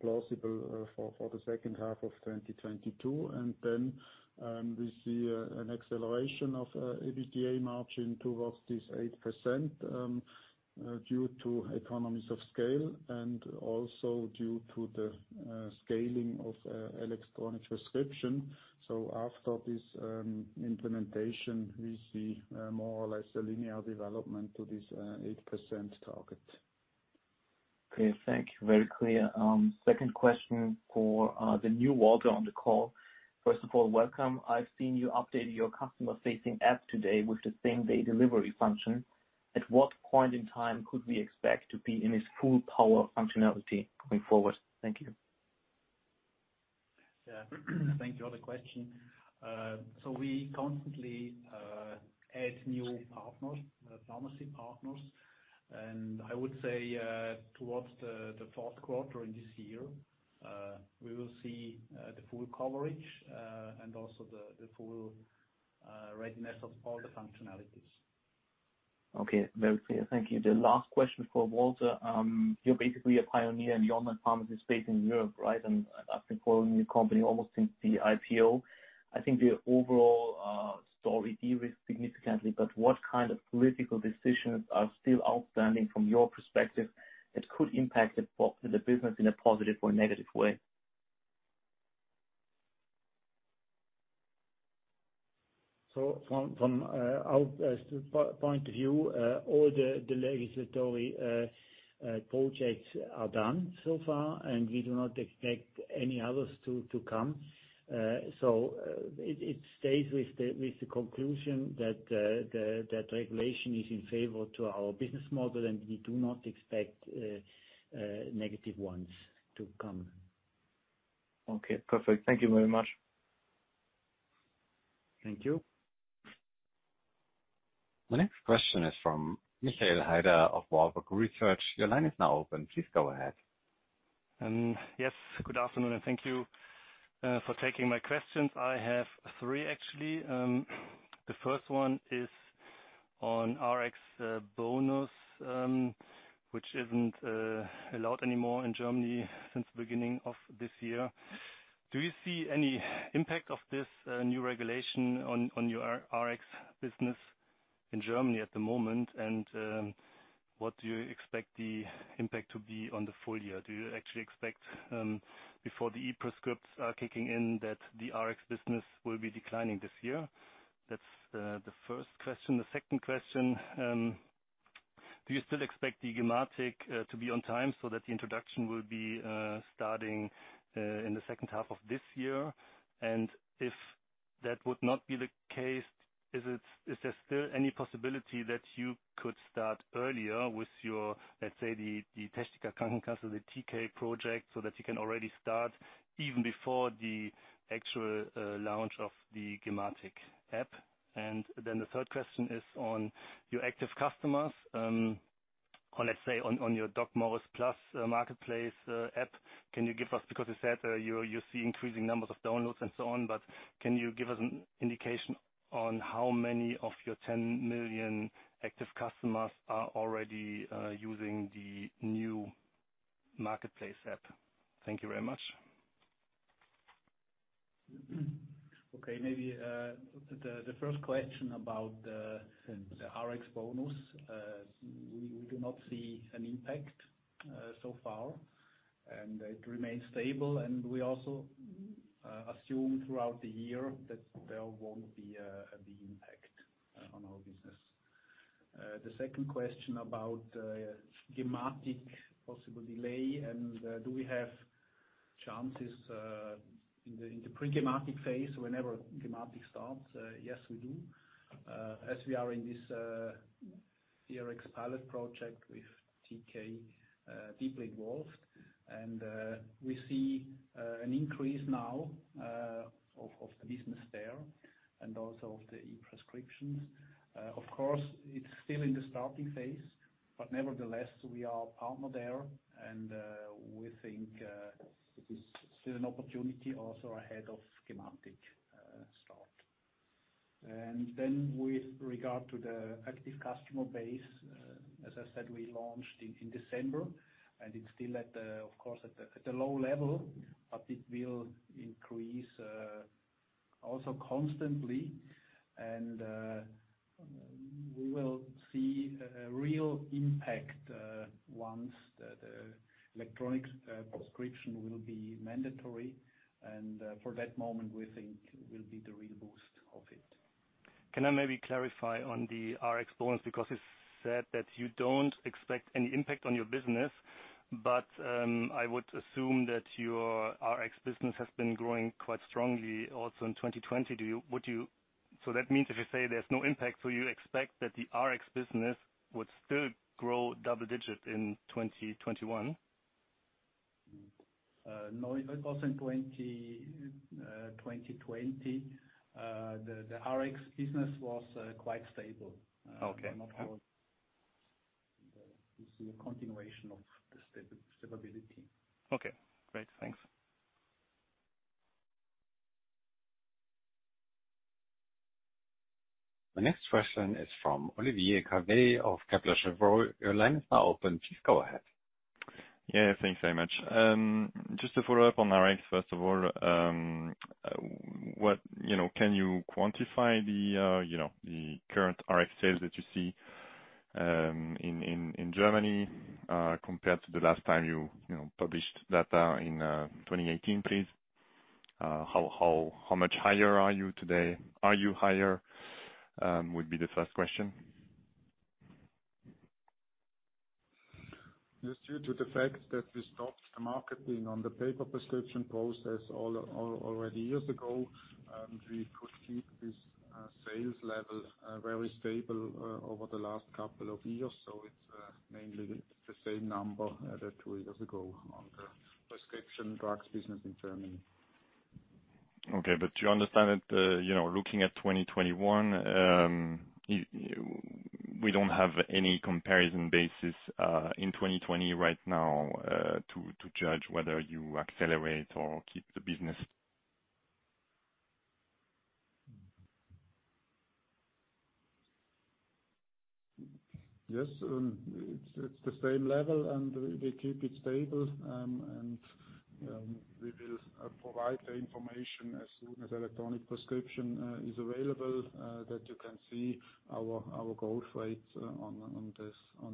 plausible for the second half of 2022. Then we see an acceleration of EBITDA margin towards this 8% due to economies of scale and also due to the scaling of electronic prescription. After this implementation, we see more or less a linear development to this 8% target. Okay. Thank you. Very clear. Second question for the new Walter on the call. First of all, welcome. I've seen you updated your customer-facing app today with the same-day delivery function. At what point in time could we expect to be in its full power functionality going forward? Thank you. Yeah. Thank you for the question. We constantly add new partners, pharmacy partners, and I would say towards the fourth quarter in this year, we will see the full coverage, and also the full readiness of all the functionalities. Okay. Very clear. Thank you. The last question for Walter. You're basically a pioneer in the online pharmacy space in Europe, right? I've been following your company almost since the IPO. I think the overall story de-risked significantly. What kind of political decisions are still outstanding from your perspective that could impact the business in a positive or negative way? From our point of view, all the legislative projects are done so far, and we do not expect any others to come. It stays with the conclusion that regulation is in favor to our business model, and we do not expect negative ones to come. Okay, perfect. Thank you very much. Thank you. The next question is from Michael Heider of Warburg Research. Your line is now open. Please go ahead. Yes, good afternoon, and thank you for taking my questions. I have three, actually. The first one is on Rx bonus, which isn't allowed anymore in Germany since the beginning of this year. Do you see any impact of this new regulation on your Rx business in Germany at the moment? What do you expect the impact to be on the full year? Do you actually expect, before the eRX are kicking in, that the Rx business will be declining this year? That's the first question. The second question, do you still expect the gematik to be on time so that the introduction will be starting in the second half of this year? If that would not be the case, is there still any possibility that you could start earlier with your, let's say, the Techniker Krankenkasse, the TK project, so that you can already start even before the actual launch of the gematik app? The third question is on your active customers, or let's say, on your DocMorris Plus marketplace app. You said you see increasing numbers of downloads and so on, but can you give us an indication on how many of your 10 million active customers are already using the new marketplace app? Thank you very much. Okay, maybe the first question about the Rx bonus. We do not see an impact so far. It remains stable. We also assume throughout the year that there won't be the impact on our business. The second question about gematik possible delay, and do we have chances in the pre-gematik phase whenever gematik starts? Yes, we do, as we are in this Rx pilot project with TK deeply involved. We see an increase now of the business there and also of the e-prescriptions. Of course, it's still in the starting phase, but nevertheless, we are partner there and we think it is still an opportunity also ahead of gematik start. With regard to the active customer base, as I said, we launched in December and it's still at the low level, but it will increase also constantly and we will see a real impact once the eRX will be mandatory. For that moment, we think will be the real boost of it. Can I maybe clarify on the Rx bonus? It's said that you don't expect any impact on your business, but I would assume that your Rx business has been growing quite strongly also in 2020. That means if you say there's no impact, so you expect that the Rx business would still grow double digit in 2021? No, it was in 2020. The Rx business was quite stable. Okay. Not all. We see a continuation of the stability. Okay, great. Thanks. The next question is from Olivier Calvet of Kepler Cheuvreux. Your line is now open. Please go ahead. Yeah, thanks very much. Just to follow up on Rx, first of all, can you quantify the current Rx sales that you see in Germany compared to the last time you published data in 2018, please? How much higher are you today? Are you higher? Would be the first question. Due to the fact that we stopped the marketing on the paper prescription process already years ago, and we could keep this sales level very stable over the last couple of years. It's mainly the same number that two years ago on the prescription drugs business in Germany. Okay, do you understand that looking at 2021, we don't have any comparison basis in 2020 right now to judge whether you accelerate or keep the business. Yes, it's the same level and we keep it stable. We will provide the information as soon as electronic prescription is available that you can see our growth rates on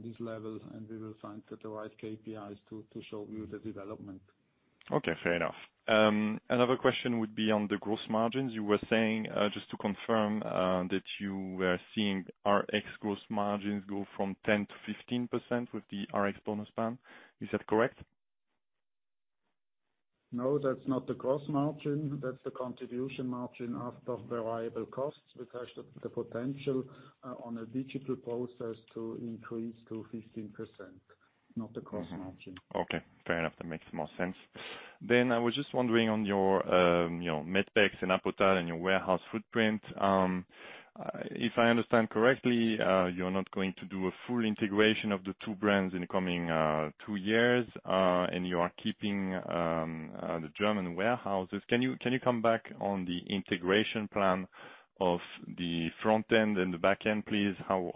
this level, and we will find the right KPIs to show you the development. Okay, fair enough. Another question would be on the gross margins. You were saying, just to confirm, that you were seeing Rx gross margins go from 10%-15% with the Rx bonus plan. Is that correct? No, that's not the gross margin. That's the contribution margin after variable costs. We touched the potential on a digital process to increase to 15%, not the gross margin. Okay, fair enough. That makes more sense. I was just wondering on your Medpex and Apotal and your warehouse footprint. If I understand correctly, you're not going to do a full integration of the two brands in the coming two years, and you are keeping the German warehouses. Can you come back on the integration plan of the front end and the back end, please? How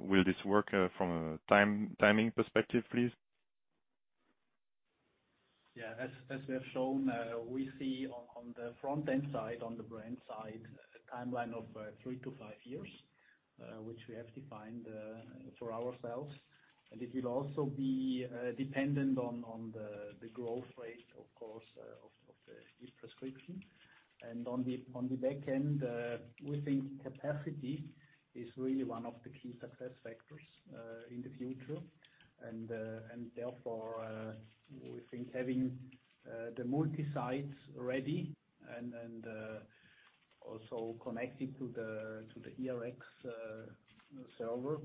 will this work from a timing perspective, please? Yeah. As we have shown, we see on the front-end side, on the brand side, a timeline of three-five years, which we have defined for ourselves. It will also be dependent on the growth rate, of course, of the eRX. On the back end, we think capacity is really one of the key success factors in the future. Therefore, we think having the multi-sites ready and also connected to the eRX server,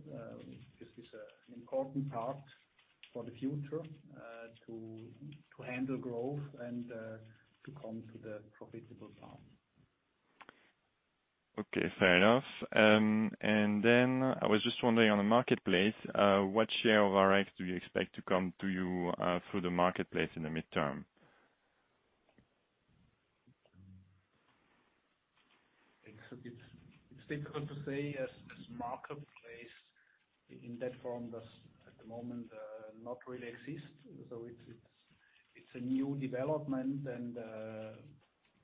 this is an important part for the future to handle growth and to come to the profitable side. Okay, fair enough. I was just wondering on the marketplace, what share of Rx do you expect to come to you through the marketplace in the midterm? It's difficult to say as marketplace in that form does at the moment not really exist. It's a new development and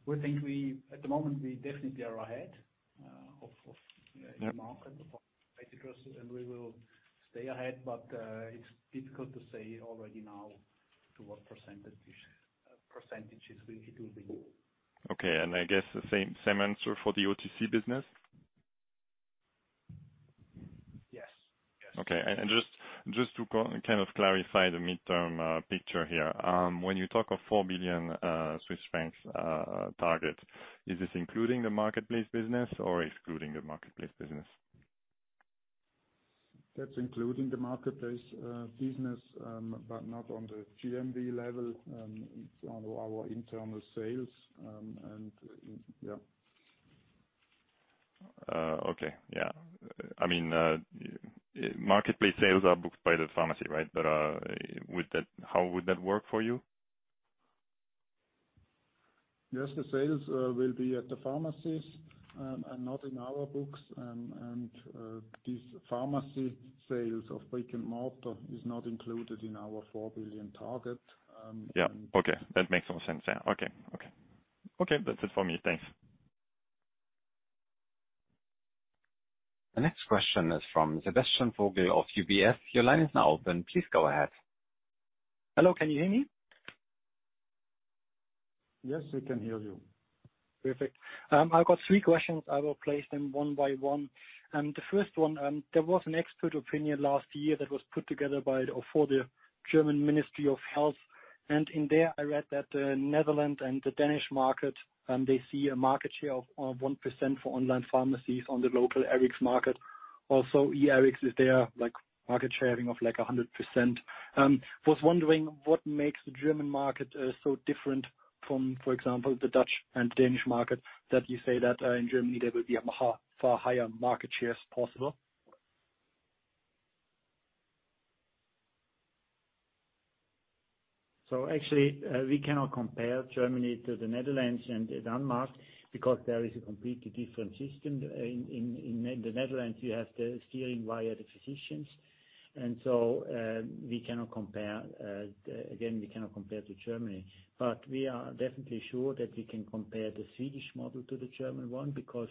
we think at the moment we definitely are ahead of the market and we will stay ahead, but it's difficult to say already now to what percentages it will be. Okay. I guess the same answer for the OTC business? Yes. Okay. Just to kind of clarify the midterm picture here. When you talk of 4 billion Swiss francs target, is this including the marketplace business or excluding the marketplace business? That's including the marketplace business, but not on the GMV level. It's on our internal sales. Okay. Yeah. Marketplace sales are booked by the pharmacy, right? How would that work for you? Yes, the sales will be at the pharmacies, and not in our books. These pharmacy sales of brick-and-mortar is not included in our 4 billion target. Yeah. Okay. That makes more sense. Yeah, okay. Okay, that's it for me. Thanks. The next question is from Sebastian Vogel of UBS. Your line is now open. Please go ahead. Hello, can you hear me? Yes, we can hear you. Perfect. I've got three questions. I will place them one by one. The first one, there was an expert opinion last year that was put together by or for the German Ministry of Health. In there I read that the Netherlands and the Danish market, they see a market share of 1% for online pharmacies on the local Rx market. eRX is there, like market sharing of like 100%. I was wondering what makes the German market so different from, for example, the Dutch and Danish market, that you say that in Germany there will be a far higher market share possible? Actually, we cannot compare Germany to the Netherlands and Denmark because there is a completely different system. In the Netherlands, you have the steering via the physicians. We cannot compare to Germany. We are definitely sure that we can compare the Swedish model to the German one because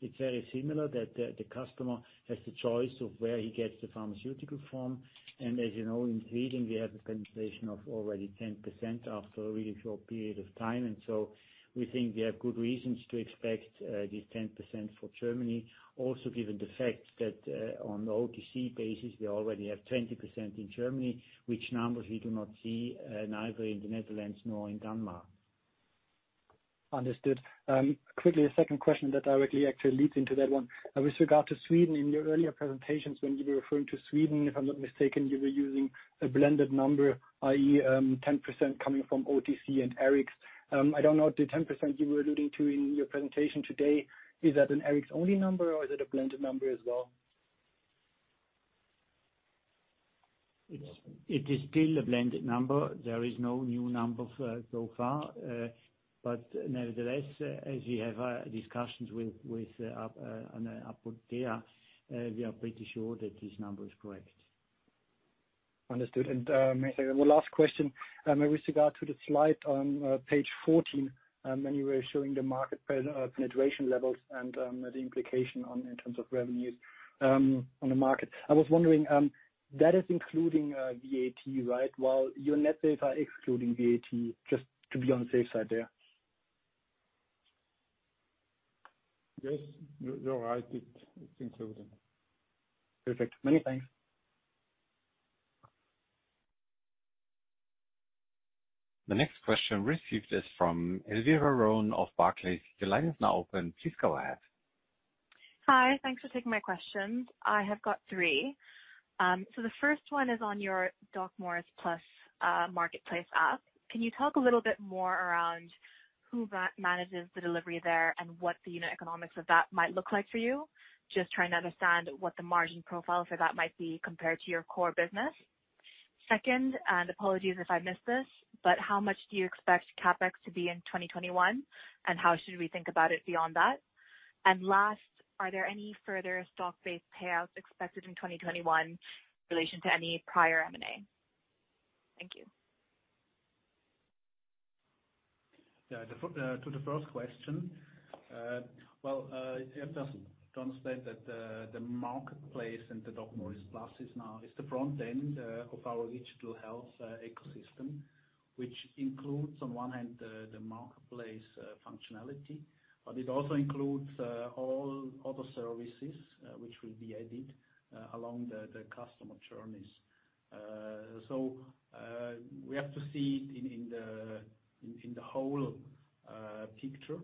it's very similar that the customer has the choice of where he gets the pharmaceutical from. As you know, in Sweden we have a penetration of already 10% after a really short period of time. We think we have good reasons to expect this 10% for Germany also given the fact that on the OTC basis we already have 20% in Germany, which numbers we do not see neither in the Netherlands nor in Denmark. Understood. Quickly, a second question that directly actually leads into that one. With regard to Sweden, in your earlier presentations, when you were referring to Sweden, if I'm not mistaken, you were using a blended number, i.e., 10% coming from OTC and RX. I don't know the 10% you were alluding to in your presentation today, is that an RX-only number or is it a blended number as well? It is still a blended number. There is no new number so far. Nevertheless, as we have discussions with Apotea, we are pretty sure that this number is correct. Understood. The last question, with regard to the slide on page 14, when you were showing the market penetration levels and the implication in terms of revenues on the market. I was wondering, that is including VAT, right? While your net sales are excluding VAT, just to be on the safe side there. Yes, you're right. It's included. Perfect. Many thanks. The next question received is from Elvira Ron of Barclays. Your line is now open. Please go ahead. Hi. Thanks for taking my questions. I have got three. The first one is on your DocMorris Plus marketplace app. Can you talk a little bit more around who manages the delivery there and what the unit economics of that might look like for you? Just trying to understand what the margin profile for that might be compared to your core business. Second, and apologies if I missed this, but how much do you expect CapEx to be in 2021, and how should we think about it beyond that? Last, are there any further stock-based payouts expected in 2021 in relation to any prior M&A? Thank you. Yeah. To the first question. Well, it doesn't translate that the marketplace and the DocMorris Plus is the front end of our digital health ecosystem, which includes, on one hand, the marketplace functionality, but it also includes all other services which will be added along the customer journeys. We have to see it in the whole picture,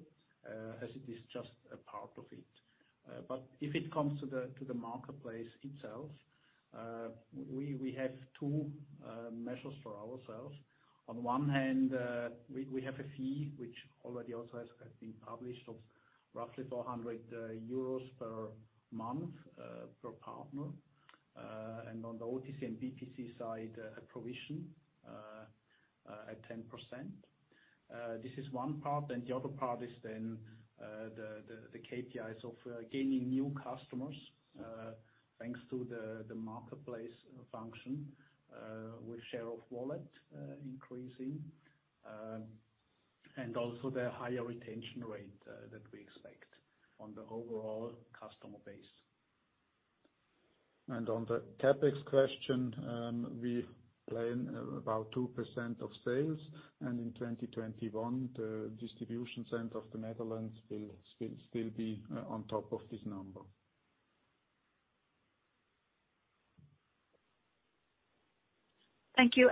as it is just a part of it. If it comes to the marketplace itself, we have two measures for ourselves. On one hand, we have a fee, which already also has been published, of roughly 400 euros per month per partner. On the OTC and BPC side, a provision at 10%. This is one part, and the other part is then the KPIs of gaining new customers, thanks to the marketplace function, with share of wallet increasing, and also the higher retention rate that we expect on the overall customer base. On the CapEx question, we plan about 2% of sales. In 2021, the distribution center of the Netherlands will still be on top of this number. Thank you.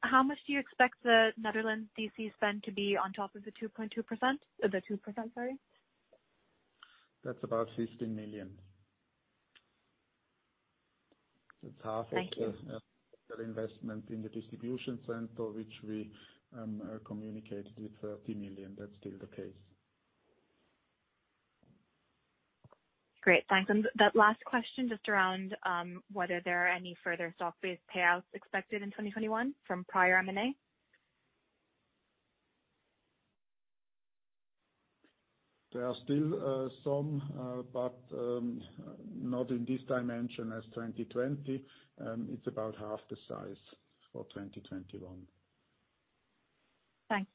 How much do you expect the Netherlands DC spend to be on top of the 2%? That's about CHF 15 million. That's half of. Thank you total investment in the distribution center, which we communicated with 30 million. That's still the case. Great. Thanks. That last question, just around whether there are any further stock-based payouts expected in 2021 from prior M&A? There are still some, but not in this dimension as 2020. It's about half the size for 2021. Thanks.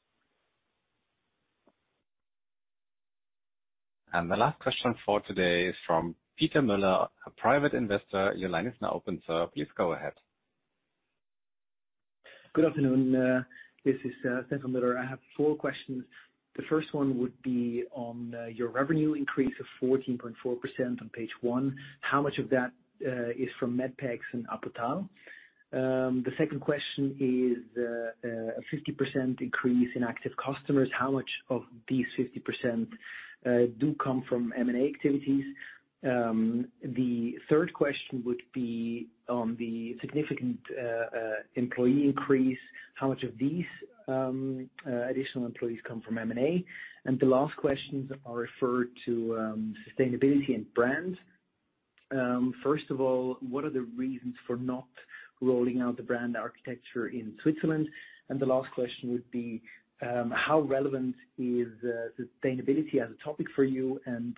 The last question for today is from Peter Miller, a private investor. Your line is now open, sir. Please go ahead. Good afternoon. This is Stefan Miller. I have four questions. The first one would be on your revenue increase of 14.4% on page one. How much of that is from Medpex and Apotal? The second question is a 50% increase in active customers. How much of this 50% do come from M&A activities? The third question would be on the significant employee increase. How much of these additional employees come from M&A? The last questions are referred to sustainability and brand. First of all, what are the reasons for not rolling out the brand architecture in Switzerland? The last question would be, how relevant is sustainability as a topic for you, and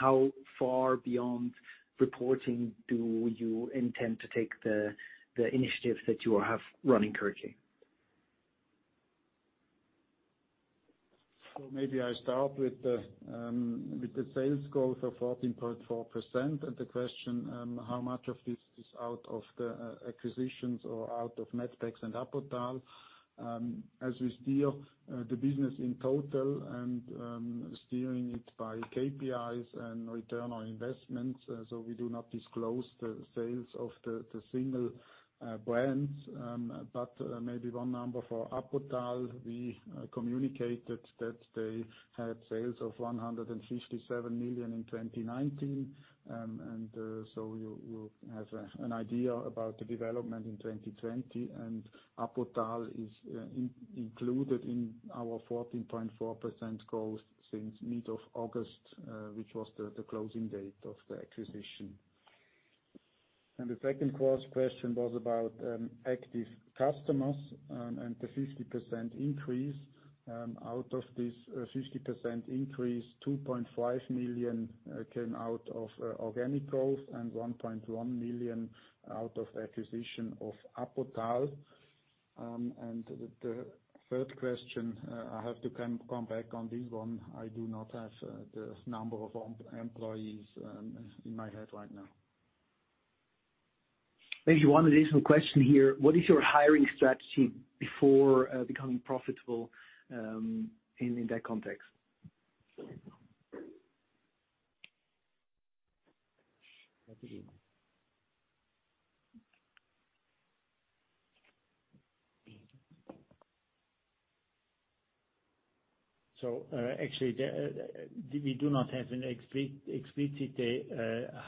how far beyond reporting do you intend to take the initiatives that you have running currently? Maybe I start with the sales growth of 14.4% and the question, how much of this is out of the acquisitions or out of medpex and Apotal. As we steer the business in total and steering it by KPIs and return on investments, so we do not disclose the sales of the single brands. Maybe one number for Apotal, we communicated that they had sales of 157 million in 2019. You have an idea about the development in 2020, Apotal is included in our 14.4% growth since mid of August, which was the closing date of the acquisition. The second question was about active customers and the 50% increase. Out of this 50% increase, 2.5 million came out of organic growth and 1.1 million out of acquisition of Apotal. The third question, I have to come back on this one. I do not have the number of employees in my head right now. Thank you. One additional question here. What is your hiring strategy before becoming profitable in that context? Actually, we do not have an explicit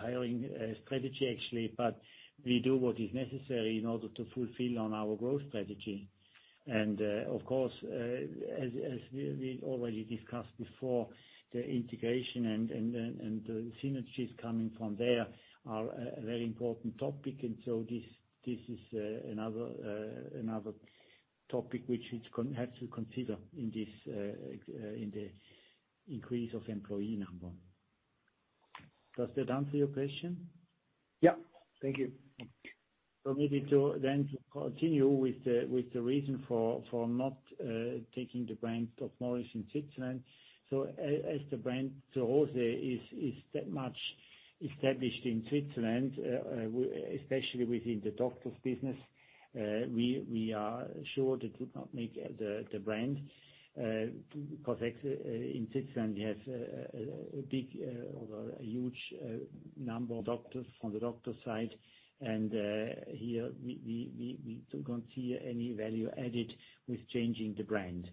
hiring strategy, but we do what is necessary in order to fulfill on our growth strategy. Of course, as we already discussed before, the integration and the synergies coming from there are a very important topic. This is another topic which has to consider in the increase of employee number. Does that answer your question? Yeah. Thank you. Maybe to continue with the reason for not taking the brand DocMorris in Switzerland. As the brand itself is that much established in Switzerland, especially within the doctors business, we are sure that would not make the brand, because in Switzerland we have a huge number of doctors from the doctor side, and here we don't see any value added with changing the brand.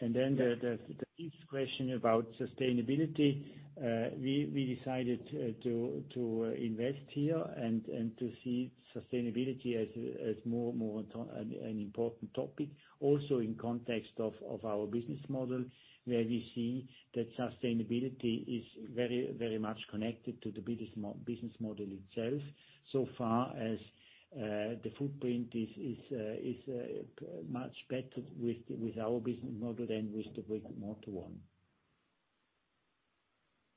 The fifth question about sustainability. We decided to invest here and to see sustainability as more an important topic, also in context of our business model, where we see that sustainability is very much connected to the business model itself. So far as the footprint is much better with our business model than with the brick-and-mortar one.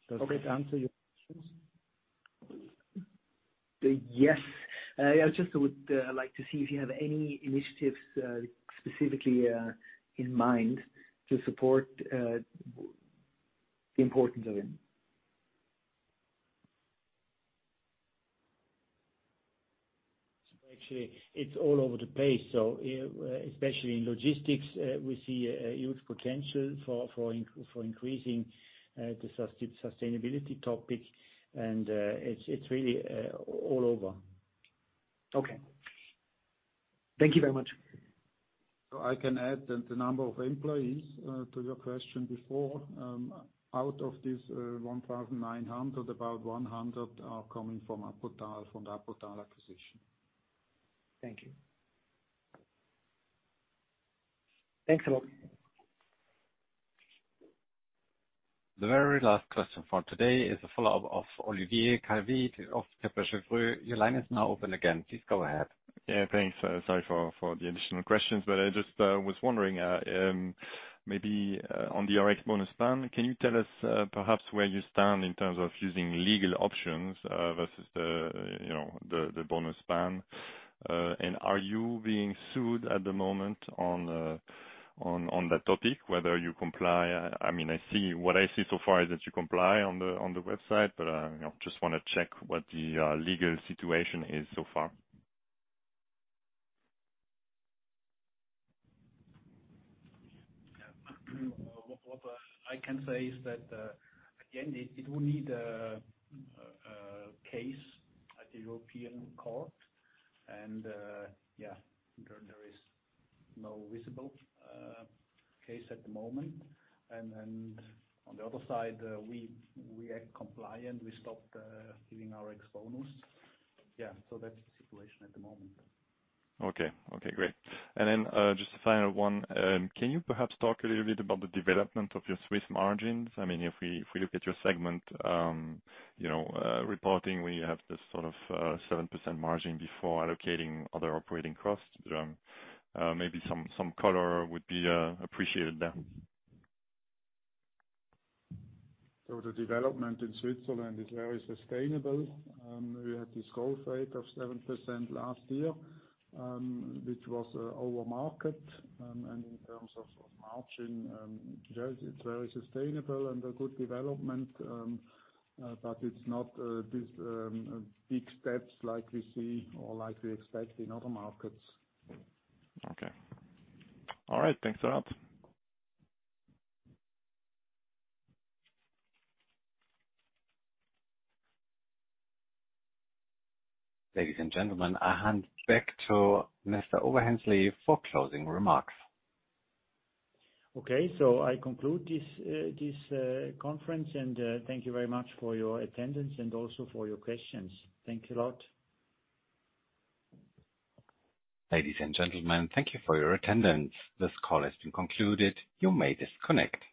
Does that answer your questions? Yes. I just would like to see if you have any initiatives, specifically in mind to support the importance of it. Actually, it's all over the place. Especially in logistics, we see a huge potential for increasing the sustainability topic, and it's really all over. Okay. Thank you very much. I can add that the number of employees, to your question before, out of this 1,900, about 100 are coming from Apotal, from the Apotal acquisition. Thank you. Thanks a lot. The very last question for today is a follow-up of Olivier Calvet of Kepler Cheuvreux. Your line is now open again. Please go ahead. Yeah, thanks. Sorry for the additional questions, but I just was wondering, maybe on the Rx bonus ban, can you tell us perhaps where you stand in terms of using legal options versus the Rx bonus ban? Are you being sued at the moment on that topic, whether you comply? What I see so far is that you comply on the website, but I just want to check what the legal situation is so far. What I can say is that, again, it will need a case at the European Court. Yeah, there is no visible case at the moment. On the other side, we act compliant. We stopped giving Rx bonus. Yeah, that's the situation at the moment. Okay. Great. Just a final one. Can you perhaps talk a little bit about the development of your Swiss margins? If we look at your segment reporting, where you have this sort of 7% margin before allocating other operating costs. Maybe some color would be appreciated there. The development in Switzerland is very sustainable. We had this growth rate of 7% last year, which was over market. In terms of margin, it's very sustainable and a good development. It's not these big steps like we see or like we expect in other markets. Okay. All right. Thanks a lot. Ladies and gentlemen, I hand back to Mr. Oberhänsli for closing remarks. Okay, I conclude this conference, and thank you very much for your attendance and also for your questions. Thank you a lot. Ladies and gentlemen, thank you for your attendance. This call has been concluded. You may disconnect.